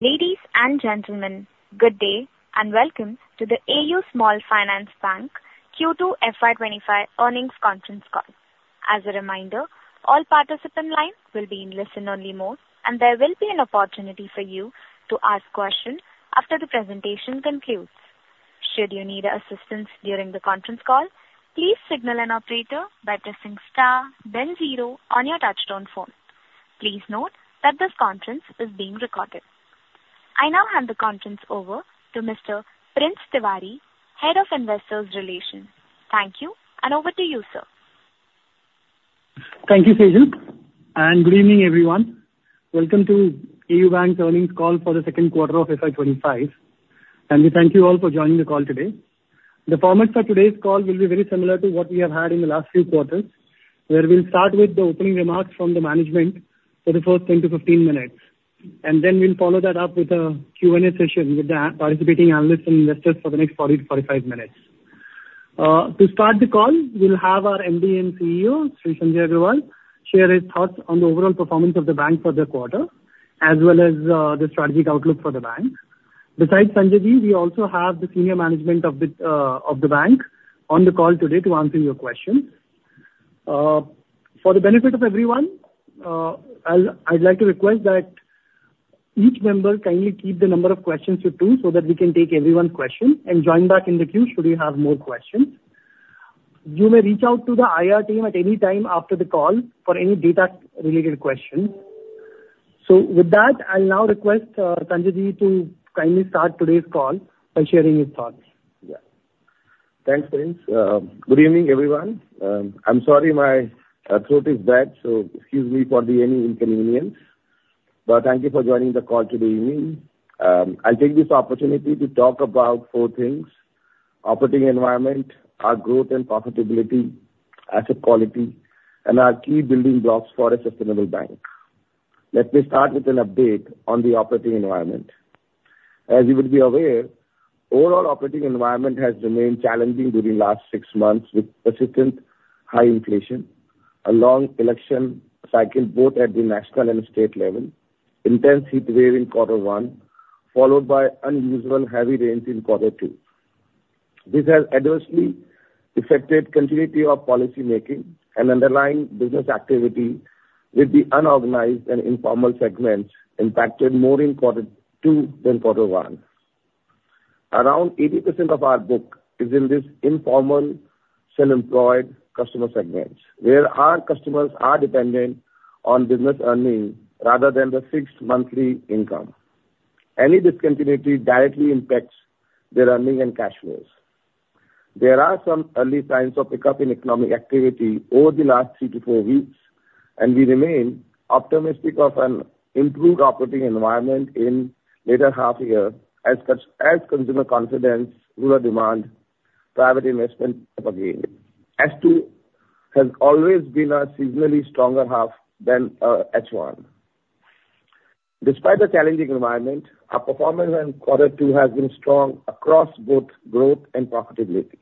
Ladies and gentlemen, good day, and welcome to the AU Small Finance Bank Q2 FY2025 Earnings Conference Call. As a reminder, all participant lines will be in listen-only mode, and there will be an opportunity for you to ask questions after the presentation concludes. Should you need assistance during the conference call, please signal an operator by pressing star then zero on your touchtone phone. Please note that this conference is being recorded. I now hand the conference over to Mr. Prince Tiwari, Head of Investor Relations. Thank you, and over to you, sir. Thank you, Sejal, and good evening, everyone. Welcome to AU Bank's earnings call for the Q2 of FY 2025, and we thank you all for joining the call today. The format for today's call will be very similar to what we have had in the last few quarters, where we'll start with the opening remarks from the management for the first 10 to 15 minutes, and then we'll follow that up with a Q&A session with the participating analysts and investors for the next 40 to 45 minutes. To start the call, we'll have our MD and CEO, Sanjay Agarwal, share his thoughts on the overall performance of the bank for the quarter, as well as the strategic outlook for the bank. Besides Sanjay, we also have the senior management of the bank on the call today to answer your questions. For the benefit of everyone, I'd like to request that each member kindly keep the number of questions to two, so that we can take everyone's question and join back in the queue, should you have more questions. You may reach out to the IR team at any time after the call for any data-related questions. So with that, I'll now request Sanjay to kindly start today's call by sharing his thoughts. Yeah. Thanks, Prince. Good evening, everyone. I'm sorry, my throat is bad, so excuse me for any inconvenience, but thank you for joining the call today evening. I'll take this opportunity to talk about four things: operating environment, our growth and profitability, asset quality, and our key building blocks for a sustainable bank. Let me start with an update on the operating environment. As you would be aware, overall operating environment has remained challenging during last six months, with persistent high inflation, a long election cycle, both at the national and state level, intense heat wave in Q1, followed by unusual heavy rains in Q2. This has adversely affected continuity of policymaking and underlying business activity, with the unorganized and informal segments impacted more in Q2 than Q1. Around 80% of our book is in this informal, self-employed customer segments, where our customers are dependent on business earnings rather than the fixed monthly income. Any discontinuity directly impacts their earnings and cash flows. There are some early signs of pickup in economic activity over the last three to four weeks, and we remain optimistic of an improved operating environment in later half year as consumer confidence, rural demand, private investment up again. H2 has always been a seasonally stronger half than H1. Despite the challenging environment, our performance in Q2 has been strong across both growth and profitability.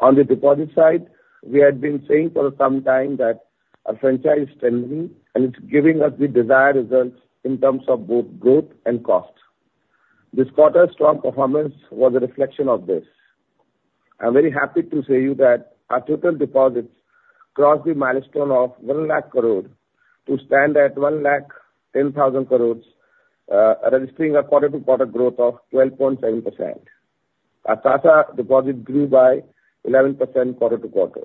On the deposit side, we had been saying for some time that our franchise is trending, and it's giving us the desired results in terms of both growth and cost. This quarter's strong performance was a reflection of this. I'm very happy to say to you that our total deposits crossed the milestone of one lakh crore to stand at one lakh, ten thousand crores, registering a quarter-to-quarter growth of 12.7%. Our CASA deposit grew by 11% quarter to quarter.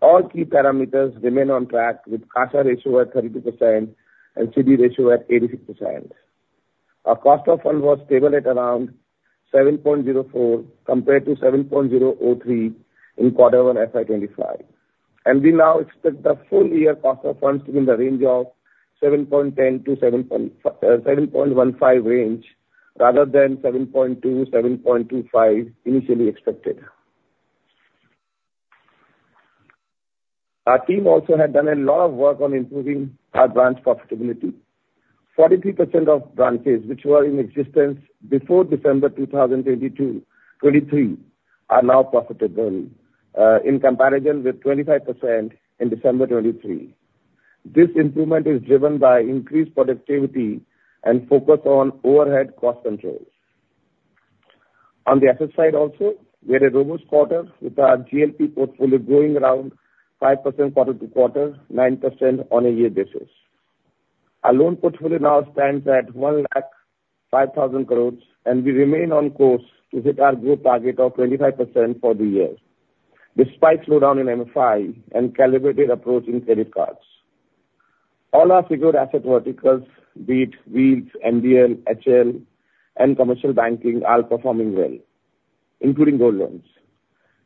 All key parameters remain on track, with CASA ratio at 32% and CD ratio at 86%. Our cost of funds was stable at around 7.04%, compared to 7.03% in Q1 FY 2025, and we now expect the full year cost of funds to be in the range of 7.10%-7.15%, rather than 7.2-7.25% initially expected. Our team also had done a lot of work on improving our branch profitability. 43% of branches which were in existence before December 2022-2023 are now profitable in comparison with 25% in December 2023. This improvement is driven by increased productivity and focus on overhead cost controls. On the asset side also, we had a robust quarter, with our GLP portfolio growing around 5% quarter to quarter, 9% on a year basis. Our loan portfolio now stands at 1.05 lakh crore, and we remain on course to hit our growth target of 25% for the year, despite slowdown in MFI and calibrated approach in credit cards. All our funded asset verticals, be it Wheels, MBL, HL, and commercial banking, are performing well, including gold loans.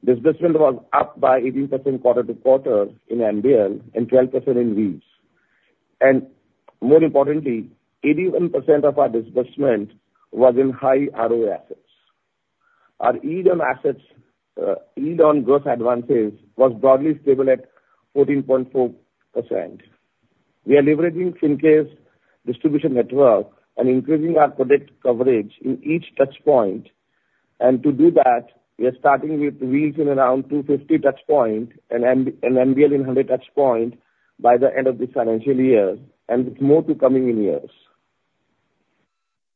Disbursement was up by 18% quarter to quarter in MBL and 12% in Wheels. More importantly, 81% of our disbursement was in high ROA assets. Our EDM assets, EDM gross advances, was broadly stable at 14.4%. We are leveraging Fincare's distribution network and increasing our product coverage in each touchpoint, and to do that, we are starting with Wheels in around 250 touchpoints and MBL in 100 touchpoints by the end of this financial year, and with more to come in years.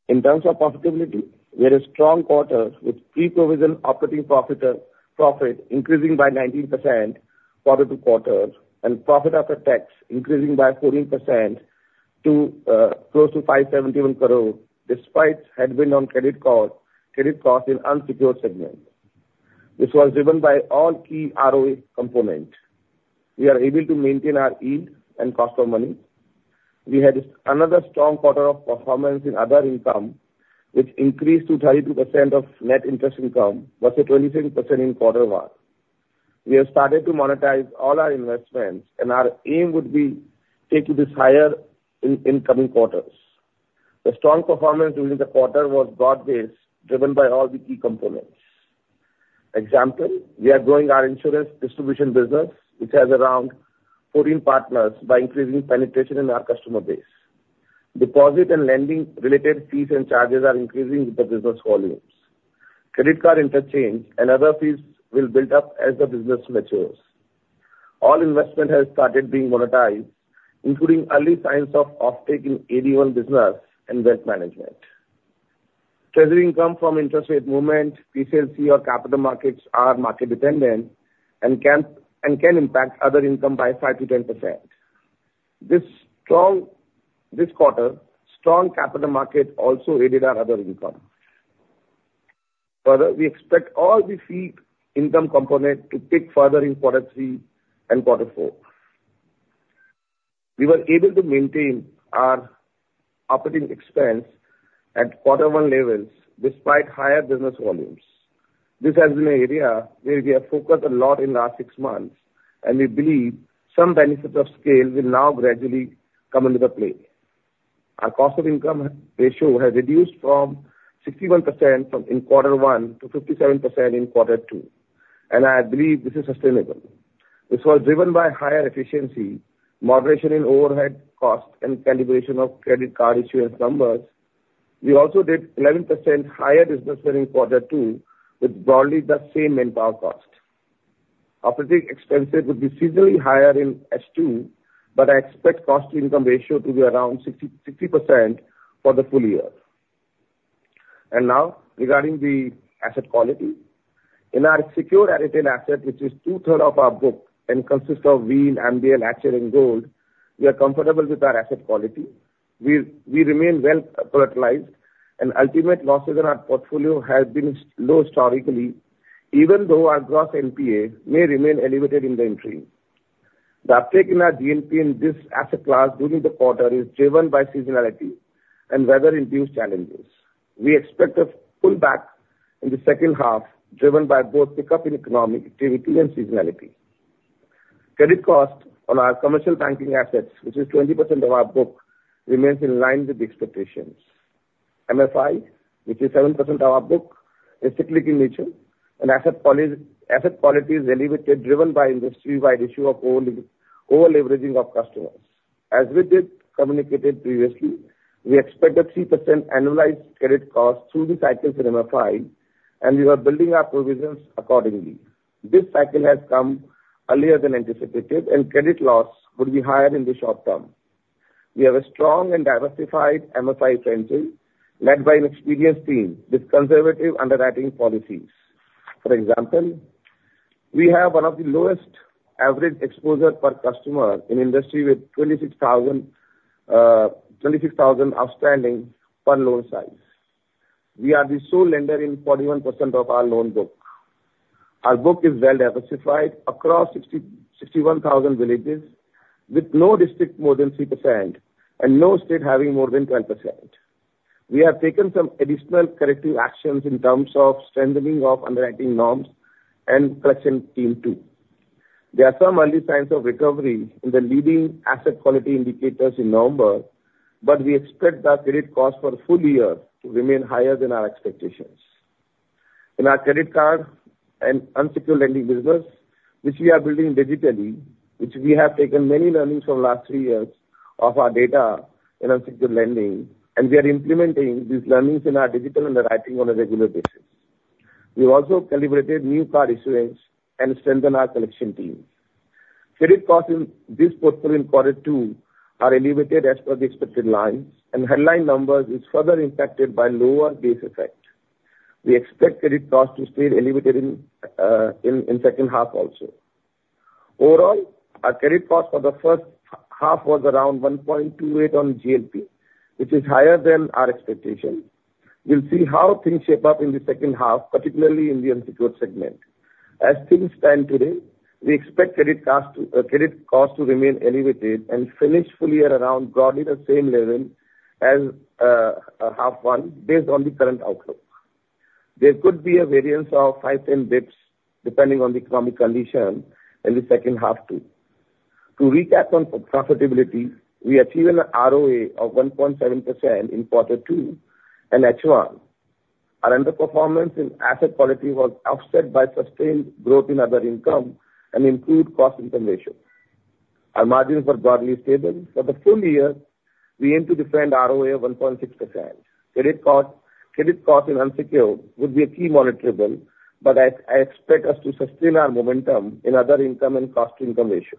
In terms of profitability, we had a strong quarter, with pre-provision operating profit increasing by 19% quarter-to-quarter, and profit after tax increasing by 14% to close to 571 crore, despite headwind on credit cost in unsecured segment. This was driven by all key ROE component. We are able to maintain our yield and cost of money. We had another strong quarter of performance in other income, which increased to 32% of net interest income, versus 27% in quarter one. We have started to monetize all our investments, and our aim would be take to this higher in coming quarters. The strong performance during the quarter was broad-based, driven by all the key components. Example, we are growing our insurance distribution business, which has around 14 partners, by increasing penetration in our customer base. Deposit and lending related fees and charges are increasing with the business volumes. Credit card interchange and other fees will build up as the business matures. All investment has started being monetized, including early signs of offtake in AD-I business and wealth management. Treasury income from interest rate movement, PSLC or capital markets are market dependent and can impact other income by 5-10%. This quarter, strong capital market also aided our other income. Further, we expect all the fee income component to pick further in Q3 and Q4. We were able to maintain our operating expense at Q1 levels despite higher business volumes. This has been an area where we have focused a lot in last six months, and we believe some benefits of scale will now gradually come into the play. Our cost to income ratio has reduced from 61% in quarter one to 57% in quarter two, and I believe this is sustainable. This was driven by higher efficiency, moderation in overhead costs, and calibration of credit card issuance numbers. We also did 11% higher business during quarter two, with broadly the same manpower cost. Operating expenses would be seasonally higher in H2, but I expect cost to income ratio to be around 60% for the full year. Now, regarding the asset quality. In our secure retail asset, which is 2/3 of our book and consists of Wheels, MBL, HL, and Gold, we are comfortable with our asset quality. We remain well capitalized, and ultimate losses in our portfolio have been low historically, even though our gross NPA may remain elevated in the interim. The uptake in our GNPA in this asset class during the quarter is driven by seasonality and weather-induced challenges. We expect a pullback in the H2, driven by both pickup in economic activity and seasonality. Credit cost on our commercial banking assets, which is 20% of our book, remains in line with the expectations. MFI, which is 7% of our book, is cyclic in nature, and asset quality is elevated, driven by industry-wide issue of over-leveraging of customers. As we have communicated previously, we expect a 3% annualized credit cost through the cycle for MFI, and we are building our provisions accordingly. This cycle has come earlier than anticipated, and credit loss could be higher in the short term. We have a strong and diversified MFI franchise, led by an experienced team with conservative underwriting policies. For example, we have one of the lowest average exposure per customer in industry with 26,000 outstanding per loan size. We are the sole lender in 41% of our loan book. Our book is well diversified across 61,000 villages, with no district more than 3% and no state having more than 10%. We have taken some additional corrective actions in terms of strengthening of underwriting norms and collection team, too. There are some early signs of recovery in the leading asset quality indicators in November, but we expect that credit cost for full year to remain higher than our expectations. In our credit card and unsecured lending business, which we are building digitally, which we have taken many learnings from last three years of our data in unsecured lending, and we are implementing these learnings in our digital underwriting on a regular basis. We've also calibrated new card issuance and strengthen our collection team. Credit cost in this portfolio in Q2 are elevated as per the expected lines, and headline numbers is further impacted by lower base effect. We expect credit cost to stay elevated in H2 also. Overall, our credit cost for the first half was around 1.28% on GLP, which is higher than our expectation. We'll see how things shape up in the second half, particularly in the unsecured segment. As things stand today, we expect credit cost to remain elevated and finish full year around broadly the same level as H1, based on the current outlook. There could be a variance of five, ten basis points, depending on the economic condition in the H2, too. To recap on profitability, we achieved an ROA of 1.7% in Q2 and H1. Our underperformance in asset quality was offset by sustained growth in other income and improved cost income ratio. Our margins were broadly stable. For the full year, we aim to defend ROA of 1.6%. Credit cost and unsecured would be a key monitorable, but I expect us to sustain our momentum in other income and cost income ratio.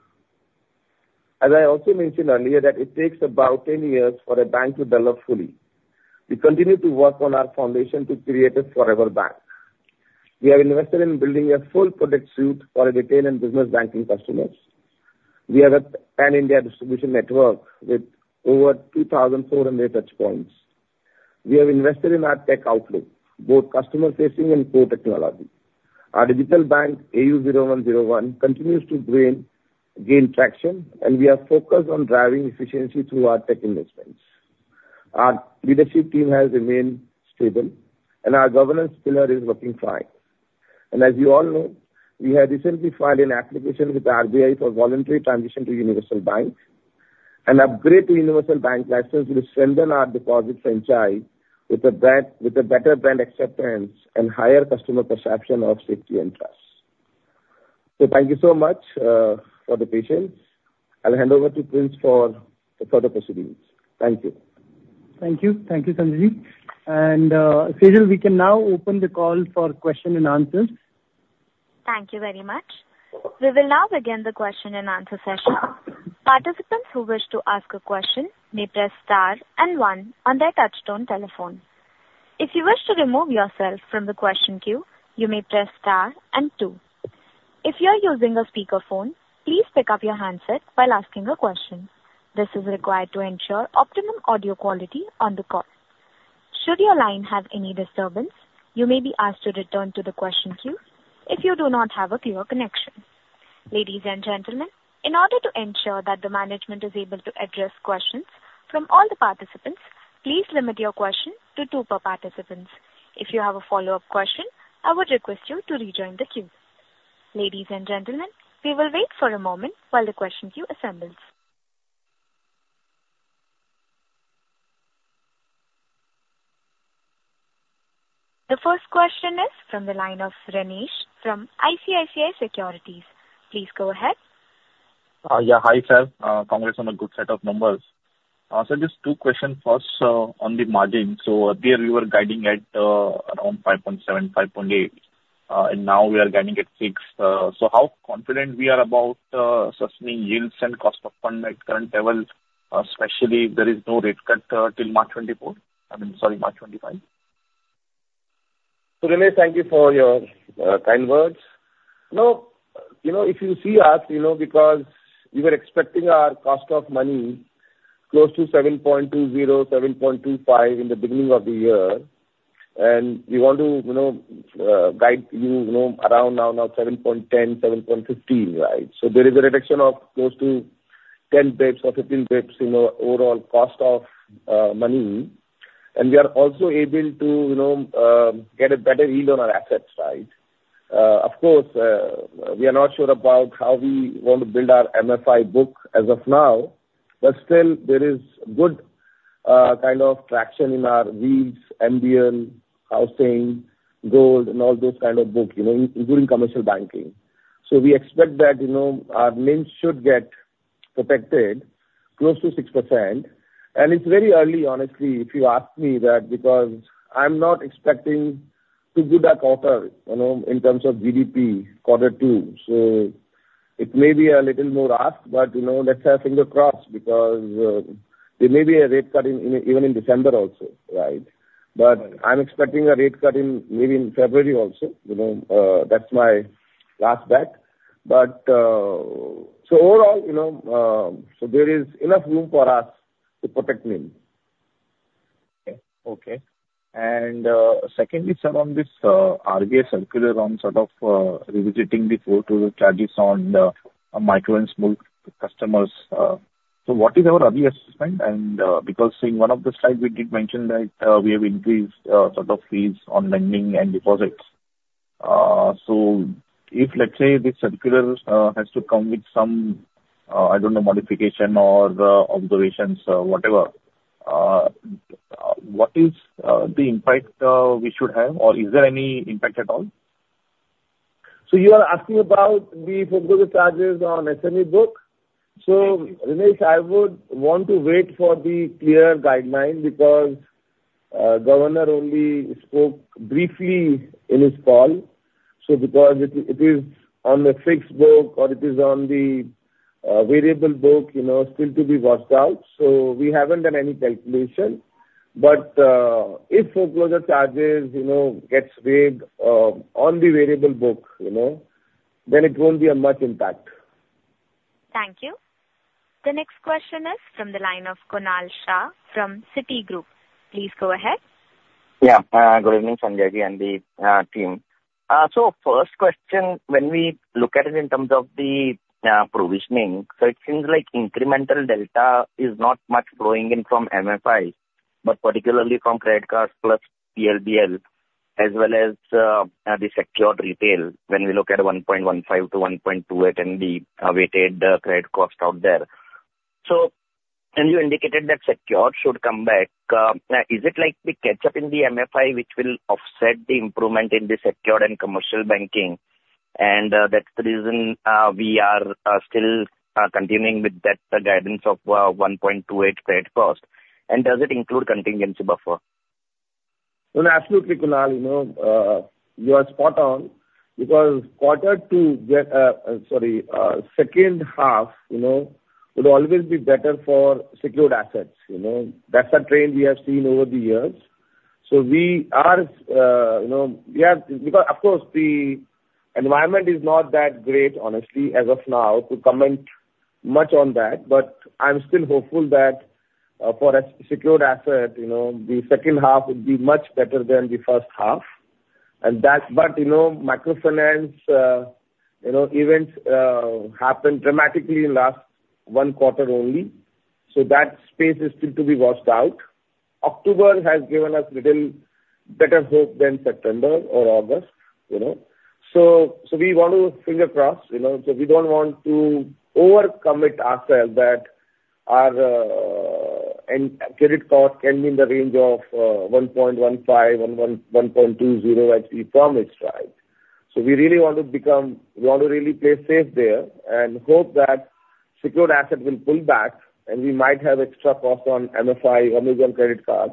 As I also mentioned earlier, that it takes about ten years for a bank to develop fully. We continue to work on our foundation to create a forever bank. We have invested in building a full product suite for our retail and business banking customers. We have a pan-India distribution network with over two thousand four hundred touchpoints. We have invested in our tech stack, both customer facing and core technology. Our digital bank, AU 0101, continues to gain traction, and we are focused on driving efficiency through our tech investments. Our leadership team has remained stable, and our governance pillar is looking fine. And as you all know, we have recently filed an application with RBI for voluntary transition to Universal Bank. An upgrade to Universal Bank license will strengthen our deposit franchise with a better brand acceptance and higher customer perception of safety and trust. So thank you so much for the patience. I'll hand over to Prince for the further proceedings. Thank you. Thank you. Thank you, Sanjay. And, Sejal, we can now open the call for question and answers. Thank you very much. We will now begin the question and answer session. Participants who wish to ask a question may press star and one on their touchtone telephone. If you wish to remove yourself from the question queue, you may press star and two. If you are using a speakerphone, please pick up your handset while asking a question. This is required to ensure optimum audio quality on the call. Should your line have any disturbance, you may be asked to return to the question queue if you do not have a clear connection. Ladies and gentlemen, in order to ensure that the management is able to address questions from all the participants, please limit your question to two per participants. If you have a follow-up question, I would request you to rejoin the queue. Ladies and gentlemen, we will wait for a moment while the question queue assembles. The first question is from the line of Renish from ICICI Securities. Please go ahead. Yeah, hi, sir. Congrats on a good set of numbers. So just two questions. First, on the margin. So earlier you were guiding at around 5.7, 5.8, and now we are guiding at 6. So how confident we are about sustaining yields and cost of fund at current level, especially if there is no rate cut till March 2024? I mean, sorry, March 2025. Renish, thank you for your kind words. No, you know, if you see us, you know, because you were expecting our cost of money close to 7.2, 7.25 in the beginning of the year, and we want to, you know, guide you, you know, around now 7.10, 7.15, right? So there is a reduction of close to ten pips or fifteen pips, you know, overall cost of money. And we are also able to, you know, get a better yield on our assets, right? Of course, we are not sure about how we want to build our MFI book as of now, but still there is good kind of traction in our retail, MBL, housing, gold, and all those kind of book, you know, including commercial banking. So we expect that, you know, our NIMs should get protected close to 6%. And it's very early, honestly, if you ask me that, because I'm not expecting too good a quarter, you know, in terms of GDP, quarter two. So it may be a little more asked, but, you know, let's have fingers crossed, because there may be a rate cut in, even in December also, right? Right. But I'm expecting a rate cut in, maybe in February also. You know, that's my last bet. But... So overall, you know, so there is enough room for us to protect NIM. Okay. And secondly, sir, on this RBI circular on sort of revisiting the foreclosure charges on the micro and small customers. So what is our RBI assessment? And because in one of the slides we did mention that we have increased sort of fees on lending and deposits. So if, let's say, this circular has to come with some, I don't know, modification or observations, whatever, what is the impact we should have? Or is there any impact at all? So you are asking about the foreclosure charges on SME book? So Renish, I would want to wait for the clear guideline because governor only spoke briefly in his call. So because it is on the fixed book or it is on the variable book, you know, still to be worked out. So we haven't done any calculation. But if foreclosure charges, you know, gets waived on the variable book, you know, then it won't be a much impact. Thank you. The next question is from the line of Kunal Shah from Citigroup. Please go ahead. Yeah. Good evening, Sanjay, and the team. First question, when we look at it in terms of the provisioning, so it seems like incremental delta is not much flowing in from MFI, but particularly from credit cards plus PLBL, as well as the secured retail, when we look at 1.15%-1.28% in the weighted credit cost out there. So and you indicated that secured should come back. Is it like the catch-up in the MFI, which will offset the improvement in the secured and commercial banking, and that's the reason we are still continuing with that guidance of 1.28% credit cost? And does it include contingency buffer? Absolutely, Kunal, you know, you are spot on because quarter two, sorry, second half, you know, will always be better for secured assets, you know. That's a trend we have seen over the years. You know, because of course, the environment is not that great, honestly, as of now, to comment much on that, but I'm still hopeful that, for a secured asset, you know, the H2 will be much better than the H1 But, you know, microfinance, you know, events happened dramatically in last one quarter only, so that space is still to be washed out. October has given us little better hope than September or August, you know? So we want to fingers crossed, you know, so we don't want to over-commit ourselves that our credit cost can be in the range of 1.15%-1.20%, as we promised, right? So we really want to become, we want to really play safe there and hope that secured assets will pull back, and we might have extra cost on MFI, Amazon credit card,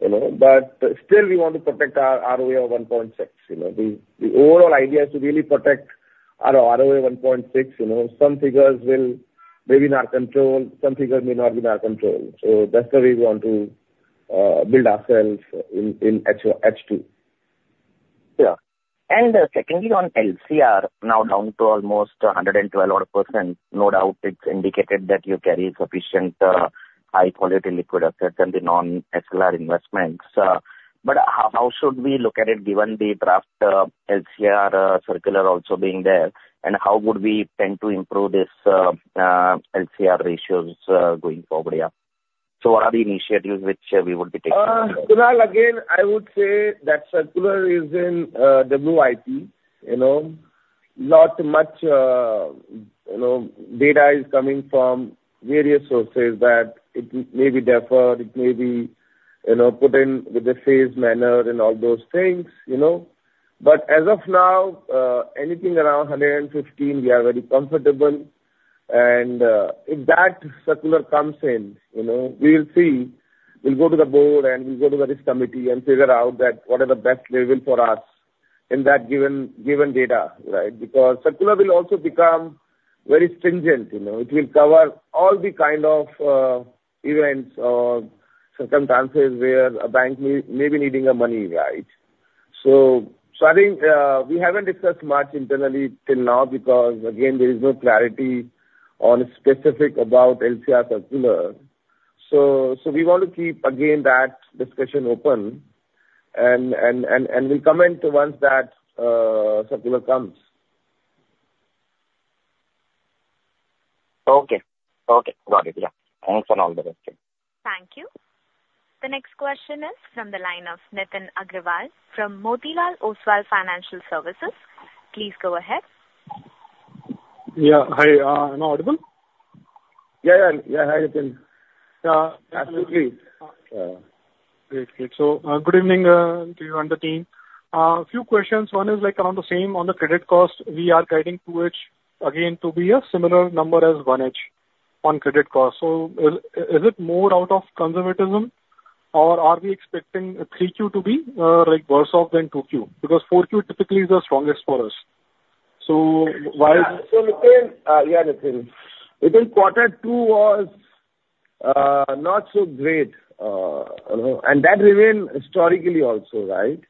you know, but still we want to protect our ROA of 1.6%, you know. The overall idea is to really protect our ROA 1.6%, you know. Some figures will be in our control, some figures may not be in our control. So that's the way we want to build ourselves in H2. Yeah. And secondly, on LCR, now down to almost 112%. No doubt it's indicated that you carry sufficient high quality liquid assets and the non-HQLA investments, but how should we look at it given the draft LCR circular also being there? And how would we tend to improve this LCR ratios going forward, yeah? So what are the initiatives which we would be taking? Kunal, again, I would say that circular is in WIP, you know. Not much, you know, data is coming from various sources that it may be deferred, it may be, you know, put in with the phased manner and all those things, you know. But as of now, anything around hundred and fifteen, we are very comfortable, and if that circular comes in, you know, we'll see. We'll go to the board and we'll go to the risk committee and figure out that what are the best level for us in that given data, right? Because circular will also become very stringent, you know. It will cover all the kind of events or circumstances where a bank may be needing a money, right? So I think we haven't discussed much internally till now because, again, there is no clarity on specific about LCR circular. So we want to keep, again, that discussion open and we'll comment once that circular comes. Okay. Okay, got it. Yeah. Thanks for all the rest. Thank you. The next question is from the line of Nitin Nitin Aggarwal from Motilal Oswal Financial Services. Please go ahead. Yeah, hi. Am I audible? Yeah, yeah. Yeah, hi, Nitin. Absolutely. Great, great. So, good evening to you and the team. A few questions. One is, like, around the same on the credit cost. We are guiding to which again, to be a similar number as one H on credit cost. So is it more out of conservatism or are we expecting Q3 to be, like worse off than Q2? Because Q4 typically is the strongest for us. So why- Yeah, so Nitin, yeah, Nitin. I think Q2 was not so great, you know, and that remained historically also, right?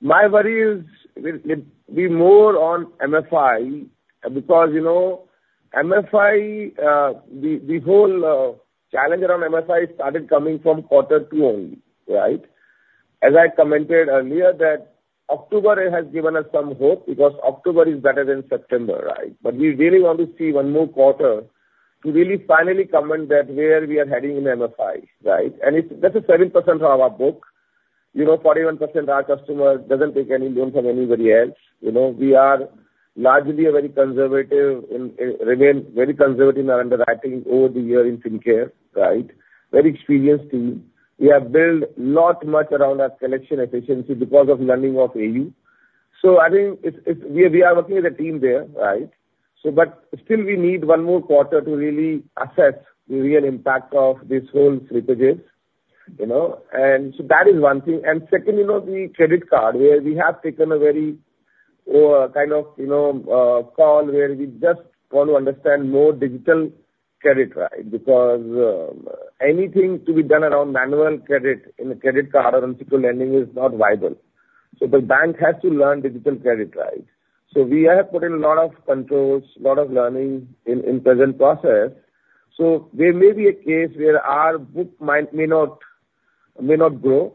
My worry is with be more on MFI, because, you know, MFI, the whole challenge around MFI started coming from Q2 only, right? As I commented earlier, that October has given us some hope, because October is better than September, right? But we really want to see one more quarter to really finally comment that where we are heading in MFI, right? And it's that is 7% of our book. You know, 41%, our customer doesn't take any loan from anybody else. You know, we are largely a very conservative and remain very conservative in our underwriting over the year in Fincare, right? Very experienced team. We have built not much around our collection efficiency because of learning of AU, so I think it's we are working as a team there, right? So but still we need one more quarter to really assess the real impact of this whole free lapses, you know, and so that is one thing, and second, you know, the credit card, where we have taken a very kind of, you know, call, where we just want to understand more digital credit, right? Because anything to be done around manual credit in a credit card or in secure lending is not viable. So the bank has to learn digital credit, right? So we have put in a lot of controls, a lot of learning in prudent process. There may be a case where our book may not grow,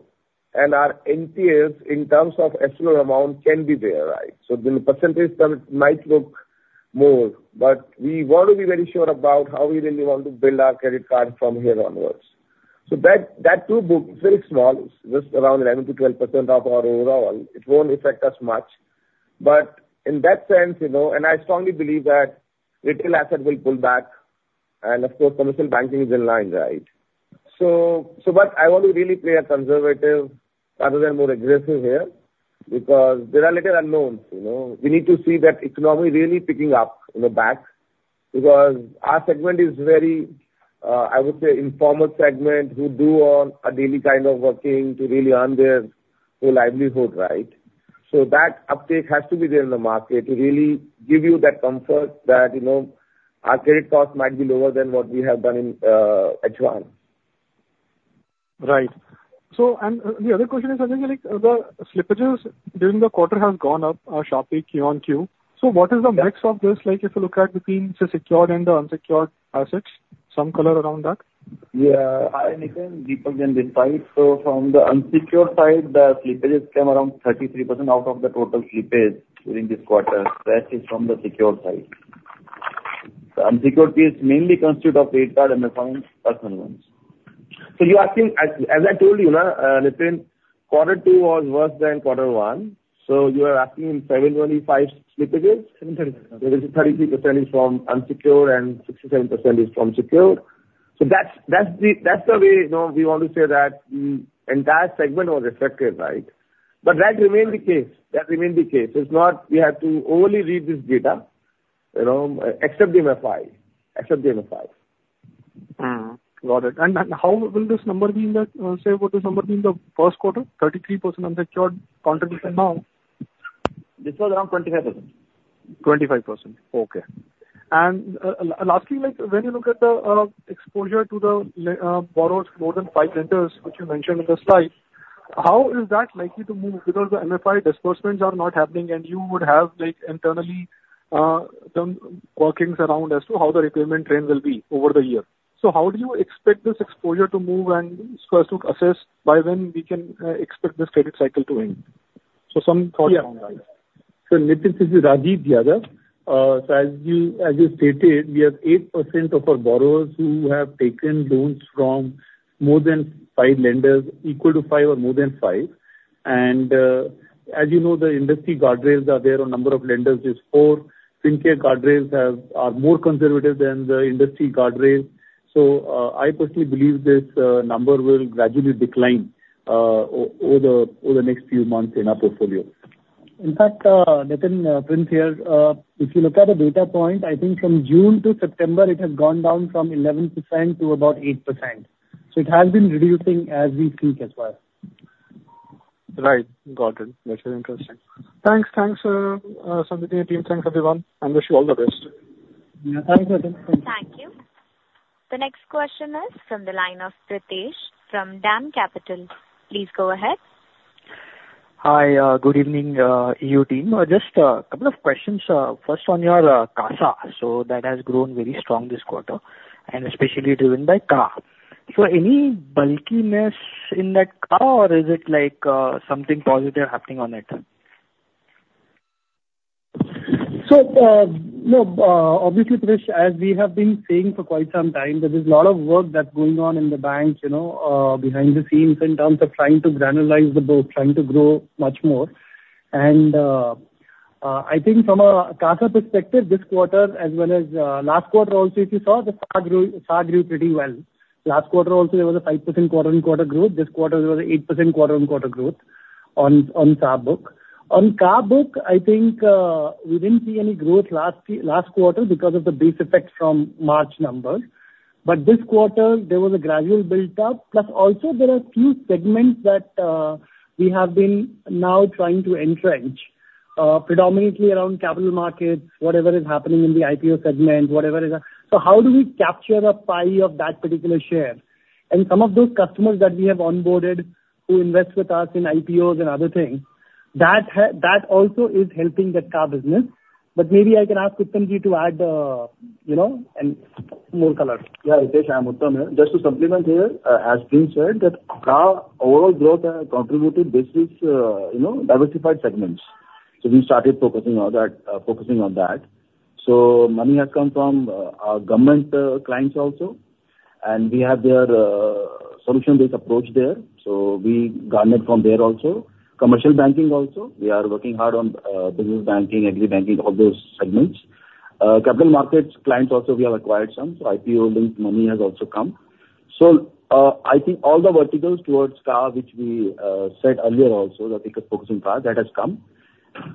and our NPS in terms of absolute amount can be there, right? The percentage term, it might look more, but we want to be very sure about how we really want to build our credit card from here onwards. That too book is very small. It's just around 11-12% of our overall. It won't affect us much. But in that sense, you know, and I strongly believe that retail asset will pull back, and of course, commercial banking is in line, right? I want to really play conservative rather than more aggressive here, because there are little unknowns, you know? We need to see that economy really picking up in the back, because our segment is very, I would say, informal segment, who do all a daily kind of working to really earn their whole livelihood, right? So that uptake has to be there in the market to really give you that comfort that, you know, our credit cost might be lower than what we have done in advance. Right. So, the other question is, actually, like, the slippages during the quarter have gone up sharply Q on Q. So what is the mix of this, like, if you look at between the secured and the unsecured assets? Some color around that. Yeah, hi, Nitin, Deepak Jain. So from the unsecured side, the slippages came around 33% out of the total slippage during this quarter. That is from the secured side. The unsecured piece mainly constitute of credit card and the finance personal loans. So you're asking, as I told you, now, Nitin, Q2 was worse than Q1 so you are asking in 7.25 slippages? 7.25 Where is it? 33% is from unsecured and 67% is from secured. So that's the way, you know, we want to say that the entire segment was affected, right? But that remain the case. It's not we have to only read this data, you know, except the MFI. Mm. Got it. And how will this number be in the, say, what this number be in the first quarter, 33% unsecured contribution now? This was around 25%. 25%. Okay. And lastly, like, when you look at the exposure to the borrowers more than five lenders, which you mentioned in the slide, how is that likely to move? Because the MFI disbursements are not happening, and you would have, like, internally done workings around as to how the repayment trend will be over the year. So how do you expect this exposure to move, and so as to assess by when we can expect this credit cycle to end? So some thoughts around that. Yeah. So Nitin, this is Rajeev Yadav. So as you stated, we have 8% of our borrowers who have taken loans from more than five lenders, equal to five or more than five. And as you know, the industry guardrails are there on number of lenders is four. Fincare guardrails are more conservative than the industry guardrails. So I personally believe this number will gradually decline over the next few months in our portfolio. In fact, Nitin, Prince here. If you look at the data point, I think from June to September, it has gone down from 11% to about 8%, so it has been reducing as we speak as well. Right. Got it. That is interesting. Thanks. Thanks, Sanjay and team. Thanks, everyone, and wish you all the best. Yeah. Thanks, Nitin. Thank you. The next question is from the line of Pritesh from Dam Capital. Please go ahead. Hi, good evening, AU team. Just a couple of questions. First on your CASA. So that has grown very strong this quarter, and especially driven by CASA. So any bulkiness in that CASA, or is it, like, something positive happening on it? So, no, obviously, Pritesh, as we have been saying for quite some time, there is a lot of work that's going on in the bank, you know, behind the scenes, in terms of trying to granularize the book, trying to grow much more. And, I think from a CASA perspective, this quarter as well as, last quarter also, if you saw, the CASA grew, CASA grew pretty well. Last quarter also, there was a 5% quarter on quarter growth. This quarter there was 8% quarter on quarter growth on, on CASA book. On CASA book, I think, we didn't see any growth last quarter because of the base effect from March numbers. But this quarter there was a gradual build-up. Plus, also there are few segments that we have been now trying to entrench, predominantly around capital markets, whatever is happening in the IPO segment, whatever is the... So how do we capture the pie of that particular share? And some of those customers that we have onboarded who invest with us in IPOs and other things, that also is helping the Car business. But maybe I can ask Uttam Ji to add, you know, a more color. Yeah, Pritesh, I'm Uttam here. Just to supplement here, as Prince said, that CASA overall growth has contributed. This is, you know, diversified segments. So we started focusing on that. So money has come from our government clients also, and we have their solution-based approach there, so we garnered from there also. Commercial banking also, we are working hard on business banking, agri banking, all those segments. Capital markets clients also, we have acquired some, so IPO listing money has also come. So, I think all the verticals towards CASA, which we said earlier also, that we could focus on CASA, that has come.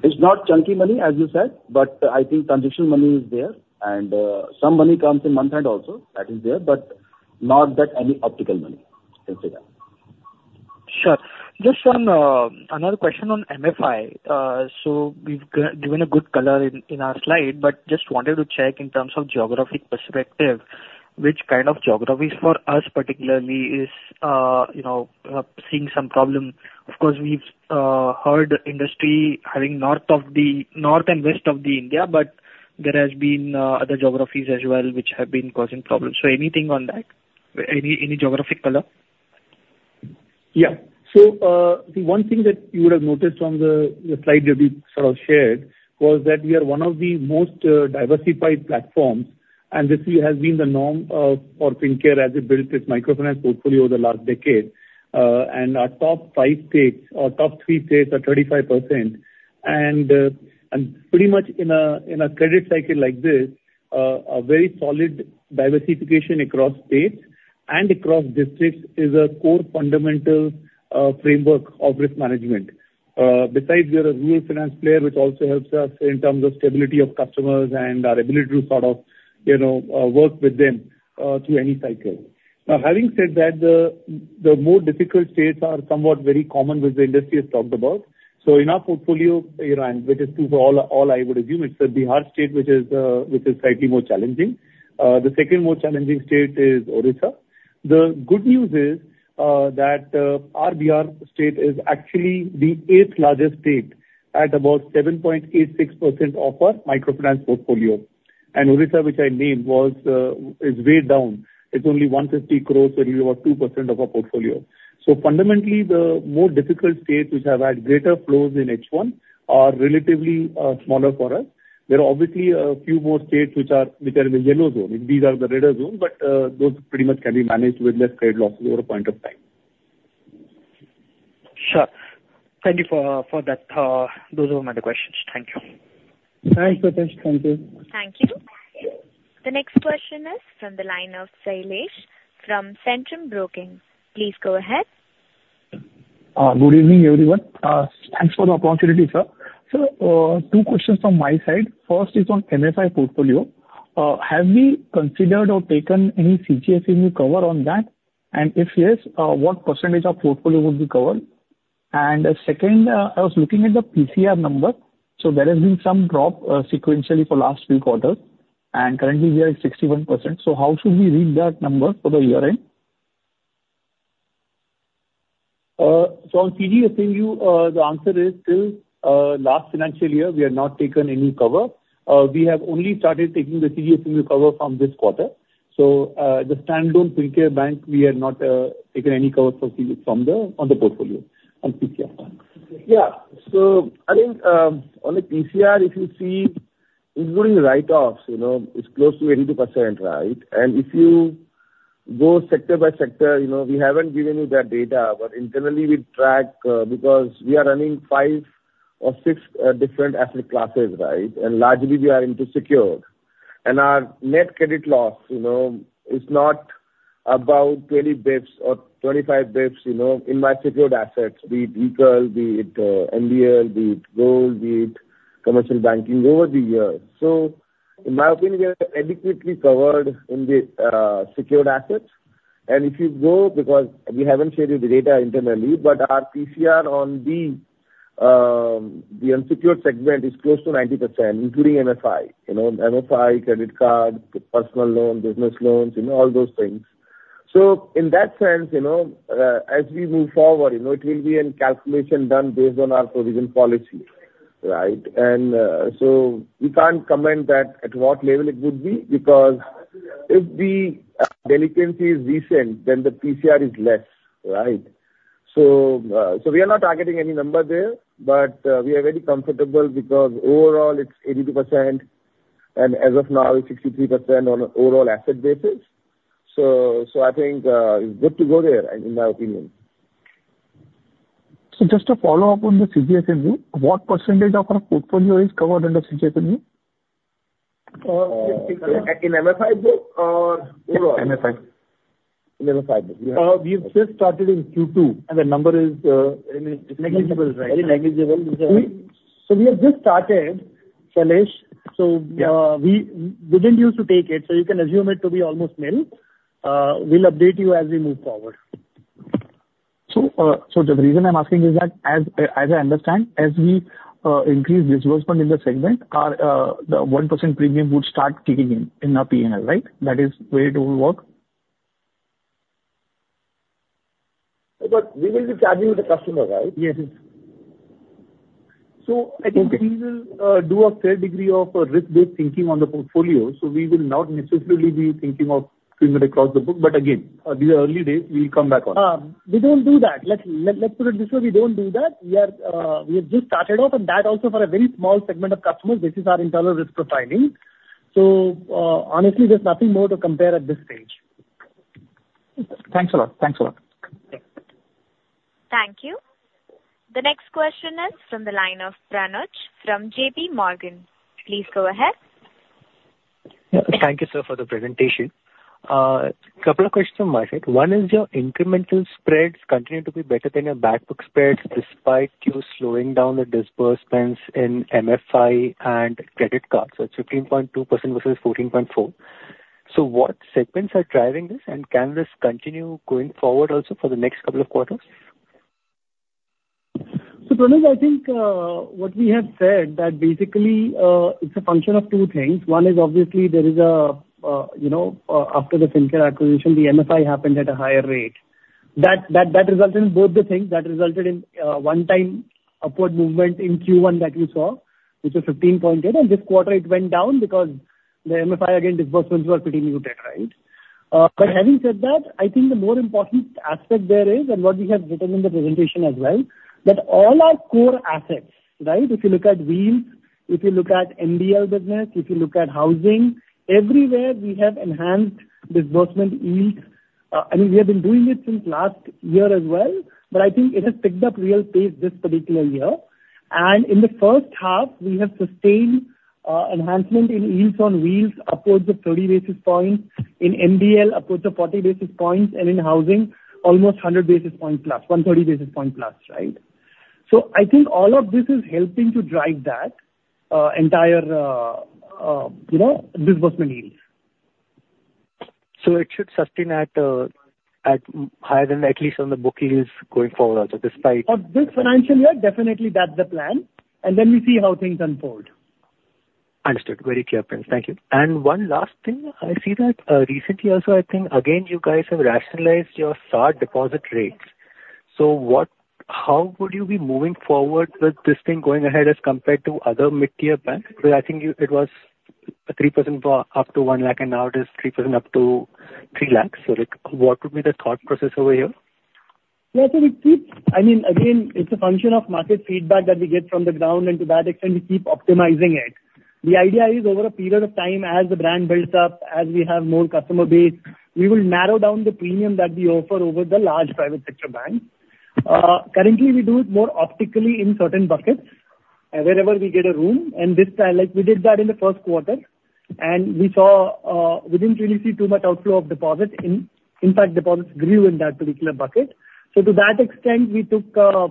It's not chunky money, as you said, but I think transition money is there, and some money comes in month-end also, that is there, but not that any optical money can say that. Sure. Just one another question on MFI. So we've given a good color in our slide, but just wanted to check in terms of geographic perspective, which kind of geographies for us particularly is, you know, seeing some problem? Of course, we've heard industry having north and west of India, but there has been other geographies as well which have been causing problems. So anything on that? Any geographic color? Yeah. So, the one thing that you would have noticed from the slide that we sort of shared was that we are one of the most diversified platforms and this has been the norm for Fincare as it built its microfinance portfolio over the last decade. And our top five states or top three states are 35%, and pretty much in a credit cycle like this, a very solid diversification across states and across districts is a core fundamental framework of risk management. Besides, we are a rural finance player, which also helps us in terms of stability of customers and our ability to sort of, you know, work with them through any cycle. Now, having said that, the more difficult states are somewhat very common which the industry has talked about. So in our portfolio, you know, and which is true for all, all I would assume, it's the Bihar state which is slightly more challenging. The second most challenging state is Odisha. The good news is that our Bihar state is actually the eighth largest state, at about 7.86% of our microfinance portfolio. And Odisha, which I named, is way down. It's only 150 crores, so about 2% of our portfolio. So fundamentally, the more difficult states which have had greater flows in H1 are relatively smaller for us. There are obviously a few more states which are in the yellow zone. These are the red zone, but those pretty much can be managed with less credit losses over a point of time. Sure. Thank you for that. Those were my questions. Thank you. Thanks, Renish. Thank you. Thank you. The next question is from the line of Shailesh from Centrum Broking. Please go ahead. Good evening, everyone. Thanks for the opportunity, sir. So, two questions from my side. First is on MFI portfolio. Have we considered or taken any CGFMU new cover on that? And if yes, what percentage of portfolio would be covered? And second, I was looking at the PCR number, so there has been some drop, sequentially for last few quarters, and currently we are at 61%. So how should we read that number for the year end? So, on CGFMU, the answer is till last financial year, we have not taken any cover. We have only started taking the CGFMU cover from this quarter. So, the standalone Fincare Bank, we have not taken any cover for CD from the portfolio on PCR bank. Yeah. So I think on the PCR, if you see, including the write-offs, you know, it's close to 82%, right? And if you go sector by sector, you know, we haven't given you that data, but internally we track because we are running five or six different asset classes, right? And largely we are into secured. And our net credit loss, you know, is not about twenty basis points or twenty-five basis points, you know, in my secured assets, be it vehicle, be it MBL, be it gold, be it commercial banking over the years. So in my opinion, we are adequately covered in the secured assets. And if you go, because we haven't shared the data internally, but our PCR on the unsecured segment is close to 90%, including MFI. You know, MFI, credit card, personal loan, business loans, you know, all those things. So in that sense, you know, as we move forward, you know, it will be a calculation done based on our provision policy, right? And, so we can't comment at what level it would be, because if the delinquency is recent, then the PCR is less, right? So, we are not targeting any number there, but, we are very comfortable because overall it's 82%, and as of now, it's 63% on an overall asset basis. So, I think, it's good to go there, in my opinion. So just to follow up on the CGFMU, what percentage of our portfolio is covered under CGFMU? In MFI book or overall? MFI. MFI book. We have just started in Q2, and the number is, negligible, right? Very negligible. So we have just started, Shailesh. So, we didn't use to take it, so you can assume it to be almost nil. We'll update you as we move forward. So, the reason I'm asking is that, as I understand, as we increase disbursement in the segment, our the 1% premium would start kicking in our PNL, right? That is the way it will work. But we will be charging the customer, right? Yes. So I think we will do a fair degree of risk-based thinking on the portfolio, so we will not necessarily be thinking of putting it across the book. But again, these are early days. We'll come back on it. We don't do that. Let's put it this way, we don't do that. We have just started out, and that also for a very small segment of customers based on our internal risk profiling. So, honestly, there's nothing more to compare at this stage. Thanks a lot. Thanks a lot. Thank you. The next question is from the line of Pranav from JP Morgan. Please go ahead. Yeah, thank you, sir, for the presentation. A couple of questions from my side. One, is your incremental spreads continue to be better than your backbook spreads, despite you slowing down the disbursements in MFI and credit cards? So it's 15.2% versus 14.4%. So what segments are driving this, and can this continue going forward also for the next couple of quarters? So, Pranav, I think what we have said that basically it's a function of two things. One is obviously there is a you know after the Fincare acquisition the MFI happened at a higher rate. That resulted in both the things that resulted in one time upward movement in Q1 that you saw which was 15.8 and this quarter it went down because the MFI again disbursements were pretty muted right? But having said that I think the more important aspect there is and what we have written in the presentation as well that all our core assets right? If you look at Wheels if you look at MBL business if you look at housing everywhere we have enhanced disbursement yields. I mean, we have been doing it since last year as well, but I think it has picked up real pace this particular year, and in the first half, we have sustained enhancement in yields on Wheels upwards of 30 basis points, in MBL upwards of 40 basis points, and in housing, almost 100 basis points plus, 130 basis point plus, right? So I think all of this is helping to drive that entire, you know, disbursement yields. So it should sustain at higher than at least on the bookings going forward also, despite- For this financial year, definitely that's the plan, and then we see how things unfold. Understood. Very clear, Prince. Thank you. And one last thing. I see that recently also, I think again, you guys have rationalized your SA deposit rates. So how would you be moving forward with this thing going ahead as compared to other mid-tier banks? Because I think you, it was a 3% for up to one lakh, and now it is 3% up to three lakhs. So, like, what would be the thought process over here? Yeah, so we keep... I mean, again, it's a function of market feedback that we get from the ground, and to that extent, we keep optimizing it. The idea is over a period of time, as the brand builds up, as we have more customer base, we will narrow down the premium that we offer over the large private sector banks. Currently, we do it more optically in certain buckets, wherever we get a room, and this time, like, we did that in the first quarter, and we saw, we didn't really see too much outflow of deposits. In fact, deposits grew in that particular bucket. So to that extent, we took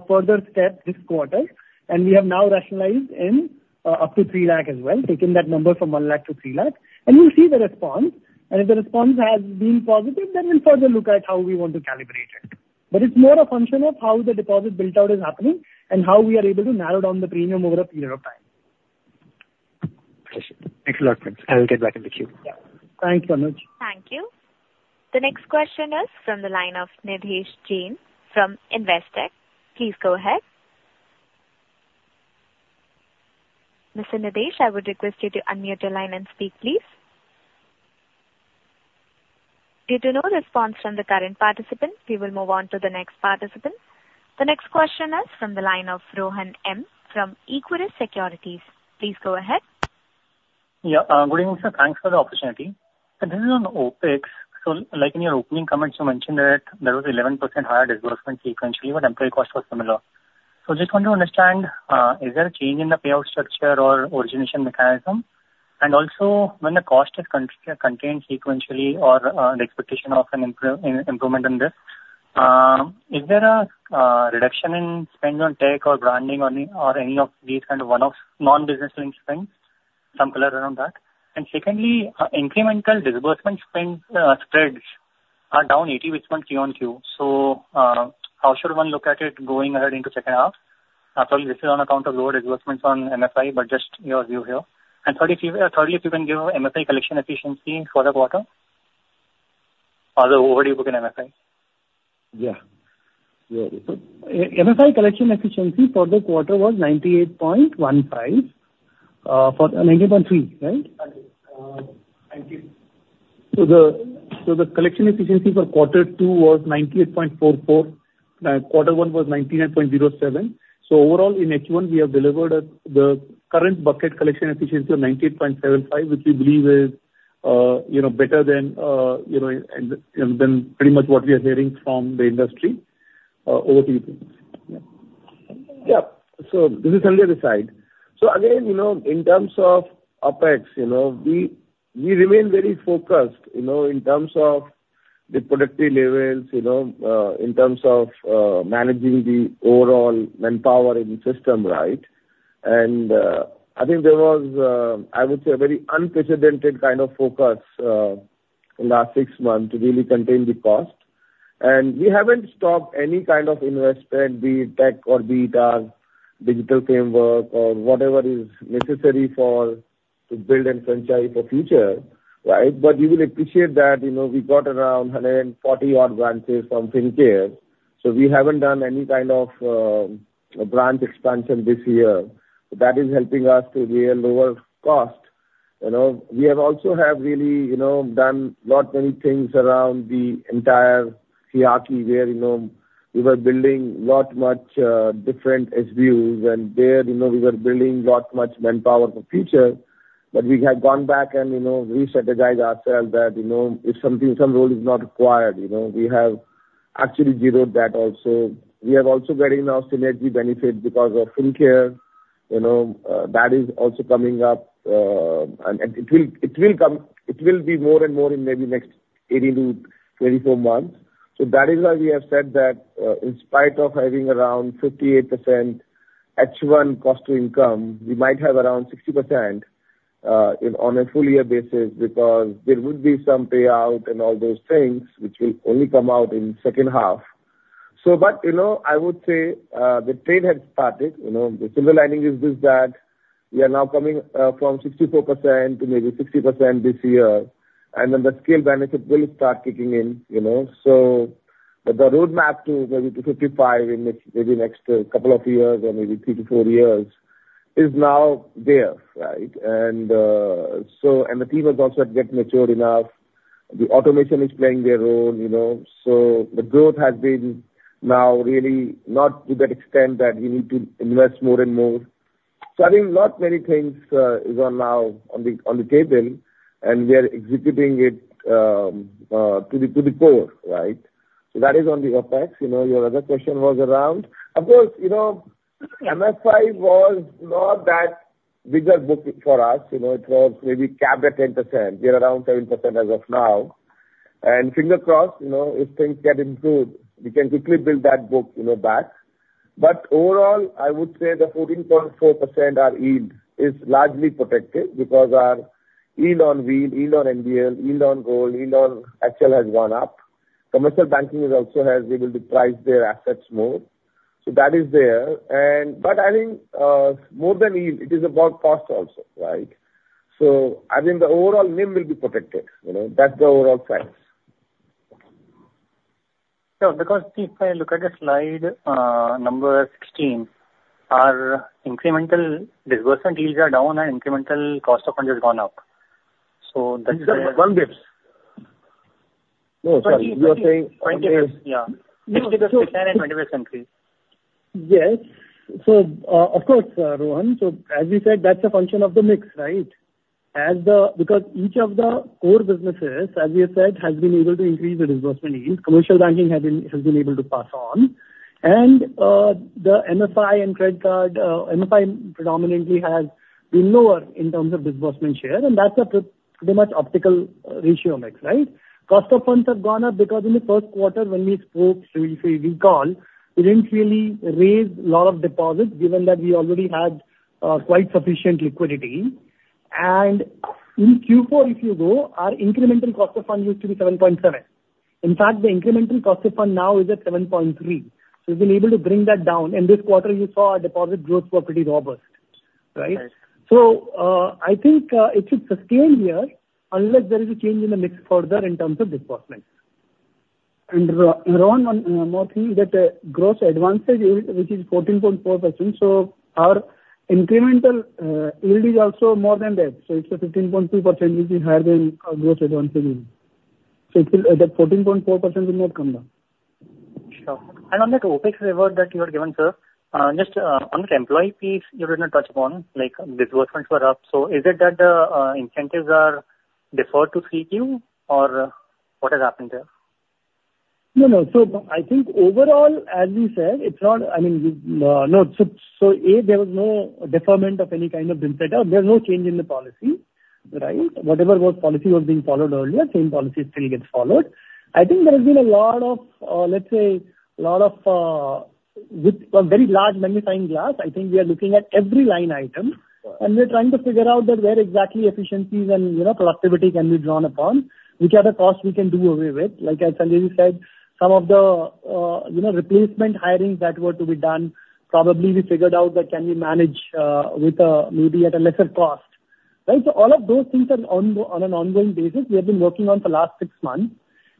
further steps this quarter, and we have now rationalized in up to three lakh as well, taking that number from one lakh to three lakhs. We'll see the response, and if the response has been positive, then we'll further look at how we want to calibrate it. It's more a function of how the deposit build-out is happening and how we are able to narrow down the premium over a period of time. Thanks a lot, Prince. I will get back in the queue. Yeah. Thanks, Anuj. Thank you. The next question is from the line of Nidhesh Jain from Investec. Please go ahead. Mr. Nidhesh, I would request you to unmute your line and speak, please. Due to no response from the current participant, we will move on to the next participant. The next question is from the line of Rohan M. from Equirus Securities. Please go ahead. Yeah, good evening, sir. Thanks for the opportunity. This is on OpEx. Like in your opening comments, you mentioned that there was 11% higher disbursement sequentially, but employee cost was similar. Just want to understand, is there a change in the payout structure or origination mechanism? Also, when the cost is contained sequentially or the expectation of an improvement on this, is there a reduction in spend on tech or branding or any of these kind of one-off non-business linked spends? Some color around that. Secondly, incremental disbursement spend spreads are down 80 basis points Q-on-Q. How should one look at it going ahead into second half? After all, this is on account of lower disbursements on MFI, but just your view here. Thirdly, if you can give MFI collection efficiency for the quarter? Or the overdue book in MFI. MFI collection efficiency for the quarter was 98.15%, for 98.3%, right? Thank you. So the collection efficiency for Q2 was 98.44%, Q1 was 98.07%. So overall, in H1, we have delivered at the current bucket collection efficiency of 98.75%, which we believe is, you know, better than, you know, and than pretty much what we are hearing from the industry, over the years. Yeah. Yeah. So this is Sanjay this side. So again, you know, in terms of OpEx, you know, we remain very focused, you know, in terms of the productivity levels, you know, in terms of managing the overall manpower in the system, right? And I think there was. I would say a very unprecedented kind of focus in the last six months to really contain the cost. And we haven't stopped any kind of investment, be it tech or be it digital framework or whatever is necessary for to build a franchise for future, right? But you will appreciate that, you know, we got around 140-odd branches from Fincare, so we haven't done any kind of branch expansion this year. That is helping us to build lower cost. You know, we have also really, you know, done not many things around the entire hierarchy, where, you know, we were building lot, much different SBUs, and there, you know, we were building lot, much manpower for future. But we have gone back and, you know, re-strategized ourselves that, you know, if something, some role is not required, you know, we have actually zeroed that also. We are also getting our synergy benefit because of Fincare, you know, that is also coming up, and it will come. It will be more and more in maybe next eighteen to twenty-four months. So that is why we have said that, in spite of having around 58% H1 cost to income, we might have around 60% on a full year basis, because there would be some payout and all those things, which will only come out in second half. But, you know, I would say, the trend has started, you know, the silver lining is this, that we are now coming from 64% to maybe 60% this year, and then the scale benefit will start kicking in, you know, so. But the roadmap to maybe 55% in the next couple of years or maybe three to four years is now there, right? And so, the team is also getting mature enough. The automation is playing their role, you know, so the growth has been now really not to that extent that we need to invest more and more. So I think not many things is on the table now, and we are executing it to the core, right? So that is on the OpEx. You know, your other question was around unsecured. Of course, you know, unsecured was not that big a book for us, you know, it was maybe capped at 10%. We are around 10% as of now. And fingers crossed, you know, if things get improved, we can quickly build that book, you know, back. But overall, I would say the 14.4% yield is largely protected because our yield on Wheels, yield on MBL, yield on gold, yield on actual has gone up. Commercial banking has also been able to price their assets more. So that is there. But I think, more than yield, it is about cost also, right? So I think the overall NIM will be protected, you know. That's the overall trend. Sure. Because if I look at the slide, number 16, our incremental disbursement yields are down and incremental cost of funding has gone up. So that's the- It is, one base. No, sorry, you are saying- Twenty basis, yeah. Ten and twenty basis increase. Yes. So, of course, Rohan, so as we said, that's a function of the mix, right? As the... Because each of the core businesses, as we have said, has been able to increase the disbursement yields. Commercial banking has been able to pass on, and the MFI and credit card, MFI predominantly has been lower in terms of disbursement share, and that's a pretty much optical ratio mix, right? Cost of funds have gone up because in the first quarter, when we spoke, so if you recall, we didn't really raise a lot of deposits given that we already had quite sufficient liquidity. And in Q4, if you go, our incremental cost of funds used to be 7.7. In fact, the incremental cost of fund now is at 7.3. We've been able to bring that down, and this quarter you saw our deposit growth were pretty robust, right? Right. I think it should sustain here, unless there is a change in the mix further in terms of disbursements. Rohan, one more thing, that gross advances yield, which is 14.4%, so our incremental yield is also more than that. It's a 15.2%, which is higher than our gross advances. It will, that 14.4% will not come down. Sure. And on that OpEx lever that you have given, sir, just, on the employee piece you did not touch upon, like, disbursements were up. So is it that, incentives are deferred to Q3, or, what has happened there? No, no. So I think overall, as we said, it's not. I mean, we not so. So as there was no deferment of any kind. There's no change in the policy, right? Whatever policy was being followed earlier, same policy still gets followed. I think there has been a lot of, let's say a lot of, with a very large magnifying glass. I think we are looking at every line item, and we're trying to figure out where exactly efficiencies and, you know, productivity can be drawn upon, which are the costs we can do away with. Like, as Sanjay said, some of the, you know, replacement hirings that were to be done, probably we figured out that can we manage with, maybe at a lesser cost, right? So all of those things are on an ongoing basis; we have been working on for the last six months,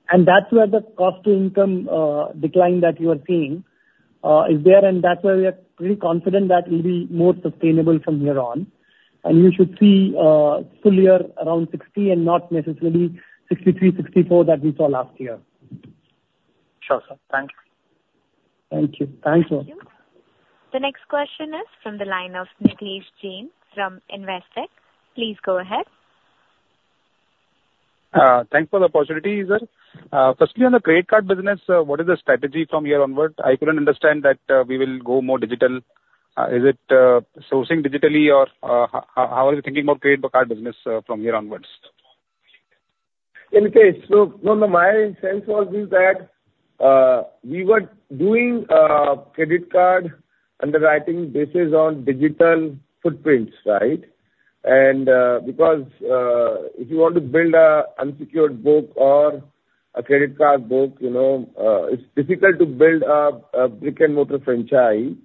and that's where the cost to income decline that you are seeing is there, and that's why we are pretty confident that will be more sustainable from here on, and we should see full year around 60 and not necessarily 63-64 that we saw last year. Sure, sir. Thank you. Thank you. Thanks, Rohan. Thank you. The next question is from the line of Nidhesh Jain from Investec. Please go ahead. Thanks for the opportunity, sir. Firstly, on the credit card business, what is the strategy from here onward? I couldn't understand that, we will go more digital. Is it sourcing digitally or, how are you thinking about credit card business from here onwards? My sense was is that we were doing credit card underwriting business on digital footprints, right? And because if you want to build a unsecured book or a credit card book, you know, it's difficult to build a brick-and-mortar franchise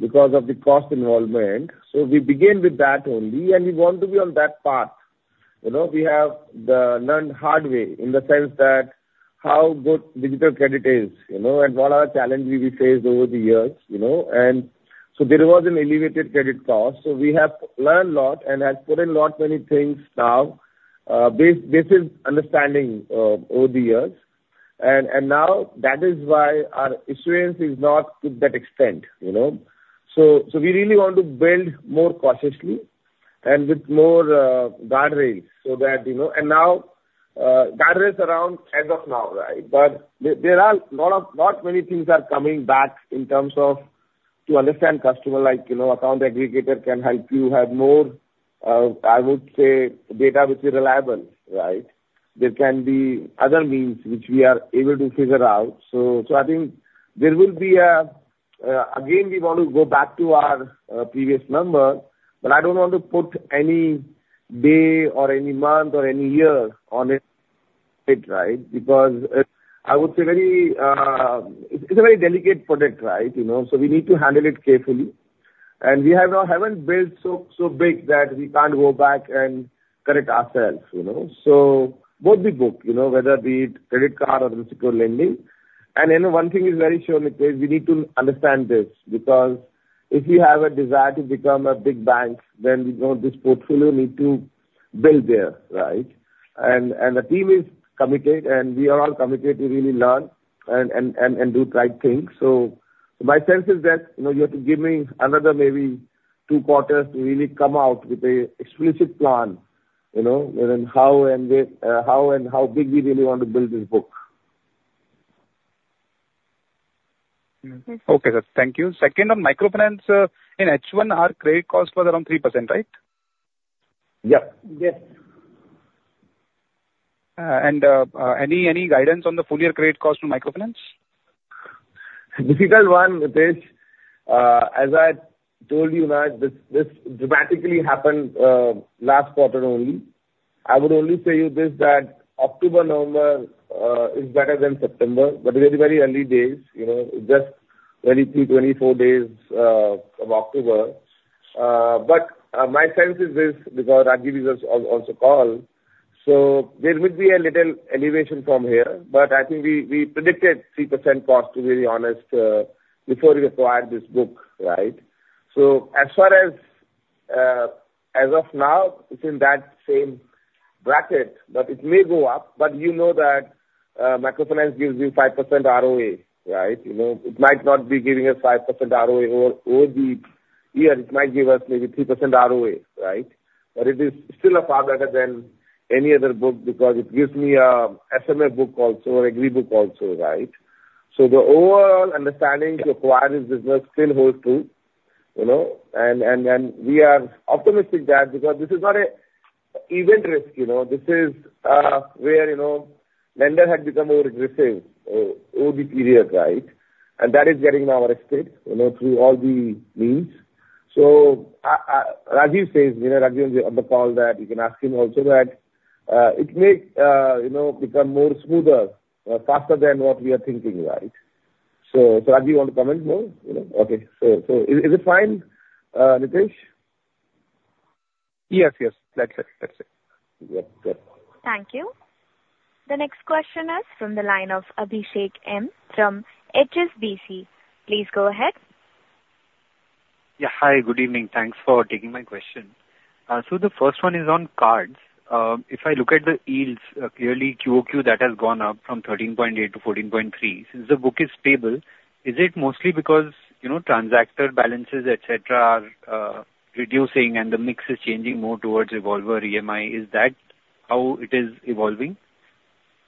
because of the cost involvement. So we began with that only, and we want to be on that path. You know, we have learned the hard way in the sense that how good digital credit is, you know, and what are the challenges we faced over the years, you know? And so there was an elevated credit cost. So we have learned a lot and have put in lot many things now, based on this understanding over the years. And now that is why our assurance is not to that extent, you know. We really want to build more cautiously and with more guardrails, so that, you know, and now guardrails around as of now, right, but there are a lot many things coming back in terms of to understand customer, like, you know, account aggregator can help you have more, I would say, data which is reliable, right? There can be other means which we are able to figure out, so I think there will be a... Again, we want to go back to our previous number, but I don't want to put any day or any month or any year on it, right? Because, I would say very, it's a very delicate product, right? You know, so we need to handle it carefully. And we have not, haven't built so, so big that we can't go back and correct ourselves, you know. So both the book, you know, whether be it credit card or unsecured lending. And then one thing is very sure, Nidhesh, we need to understand this, because if you have a desire to become a big bank, then, you know, this portfolio need to build there, right? And the team is committed, and we are all committed to really learn and do the right thing. So my sense is that, you know, you have to give me another maybe two quarters to really come out with a explicit plan, you know, within how and where, how and how big we really want to build this book. Mm-hmm. Okay, sir. Thank you. Second, on microfinance, in H1, our credit costs were around 3%, right? Yep. Yes. Any guidance on the full year credit cost to microfinance? Difficult one, Nidhesh. As I told you, that this, this dramatically happened last quarter only. I would only say this, that October, November is better than September, but very, very early days, you know, just 23, 24 days of October. But my sense is this, because Rajeev is also called, so there would be a little elevation from here, but I think we predicted 3% cost, to be really honest, before we acquired this book, right? So as far as of now, it's in that same bracket, but it may go up, but you know that microfinance gives you 5% ROA, right? You know, it might not be giving us 5% ROA over the year. It might give us maybe 3% ROA, right? But it is still far better than any other book because it gives me a SMA book also, Agri book also, right? So the overall understanding to acquire this business still holds true, you know, and we are optimistic that because this is not an event risk, you know, this is where lender had become more aggressive over the period, right? And that is getting now arrested through all the means. So Rajeev says, you know, Rajeev is on the call, that you can ask him also that it may become more smoother faster than what we are thinking, right? So Rajeev, you want to comment more? You know. Okay. So is it fine, Nidhesh? Yes, yes. That's it. That's it. Yep. Good. Thank you. The next question is from the line of Abhishek M from HSBC. Please go ahead. Yeah. Hi, good evening. Thanks for taking my question, so the first one is on cards. If I look at the yields, clearly QOQ, that has gone up from 13.8 to 14.3. Since the book is stable, is it mostly because, you know, transactor balances, et cetera, are reducing and the mix is changing more towards revolver EMI? Is that how it is evolving,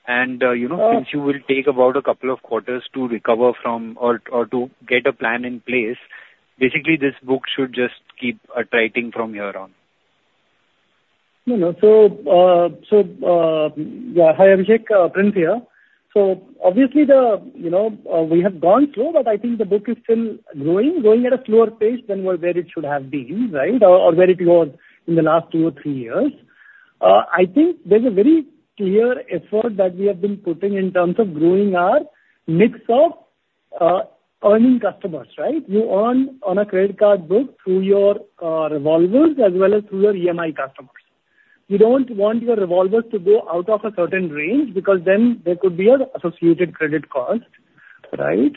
and you know, since you will take about a couple of quarters to recover from or to get a plan in place, basically this book should just keep attriting from here on. No, no. So, yeah. Hi, Abhishek, Prince here. So obviously, you know, we have gone through, but I think the book is still growing at a slower pace than where it should have been, right? Or, or where it was in the last two or three years. I think there's a very clear effort that we have been putting in terms of growing our mix of earning customers, right? You earn on a credit card book through your revolvers as well as through your EMI customers. You don't want your revolvers to go out of a certain range, because then there could be an associated credit cost, right?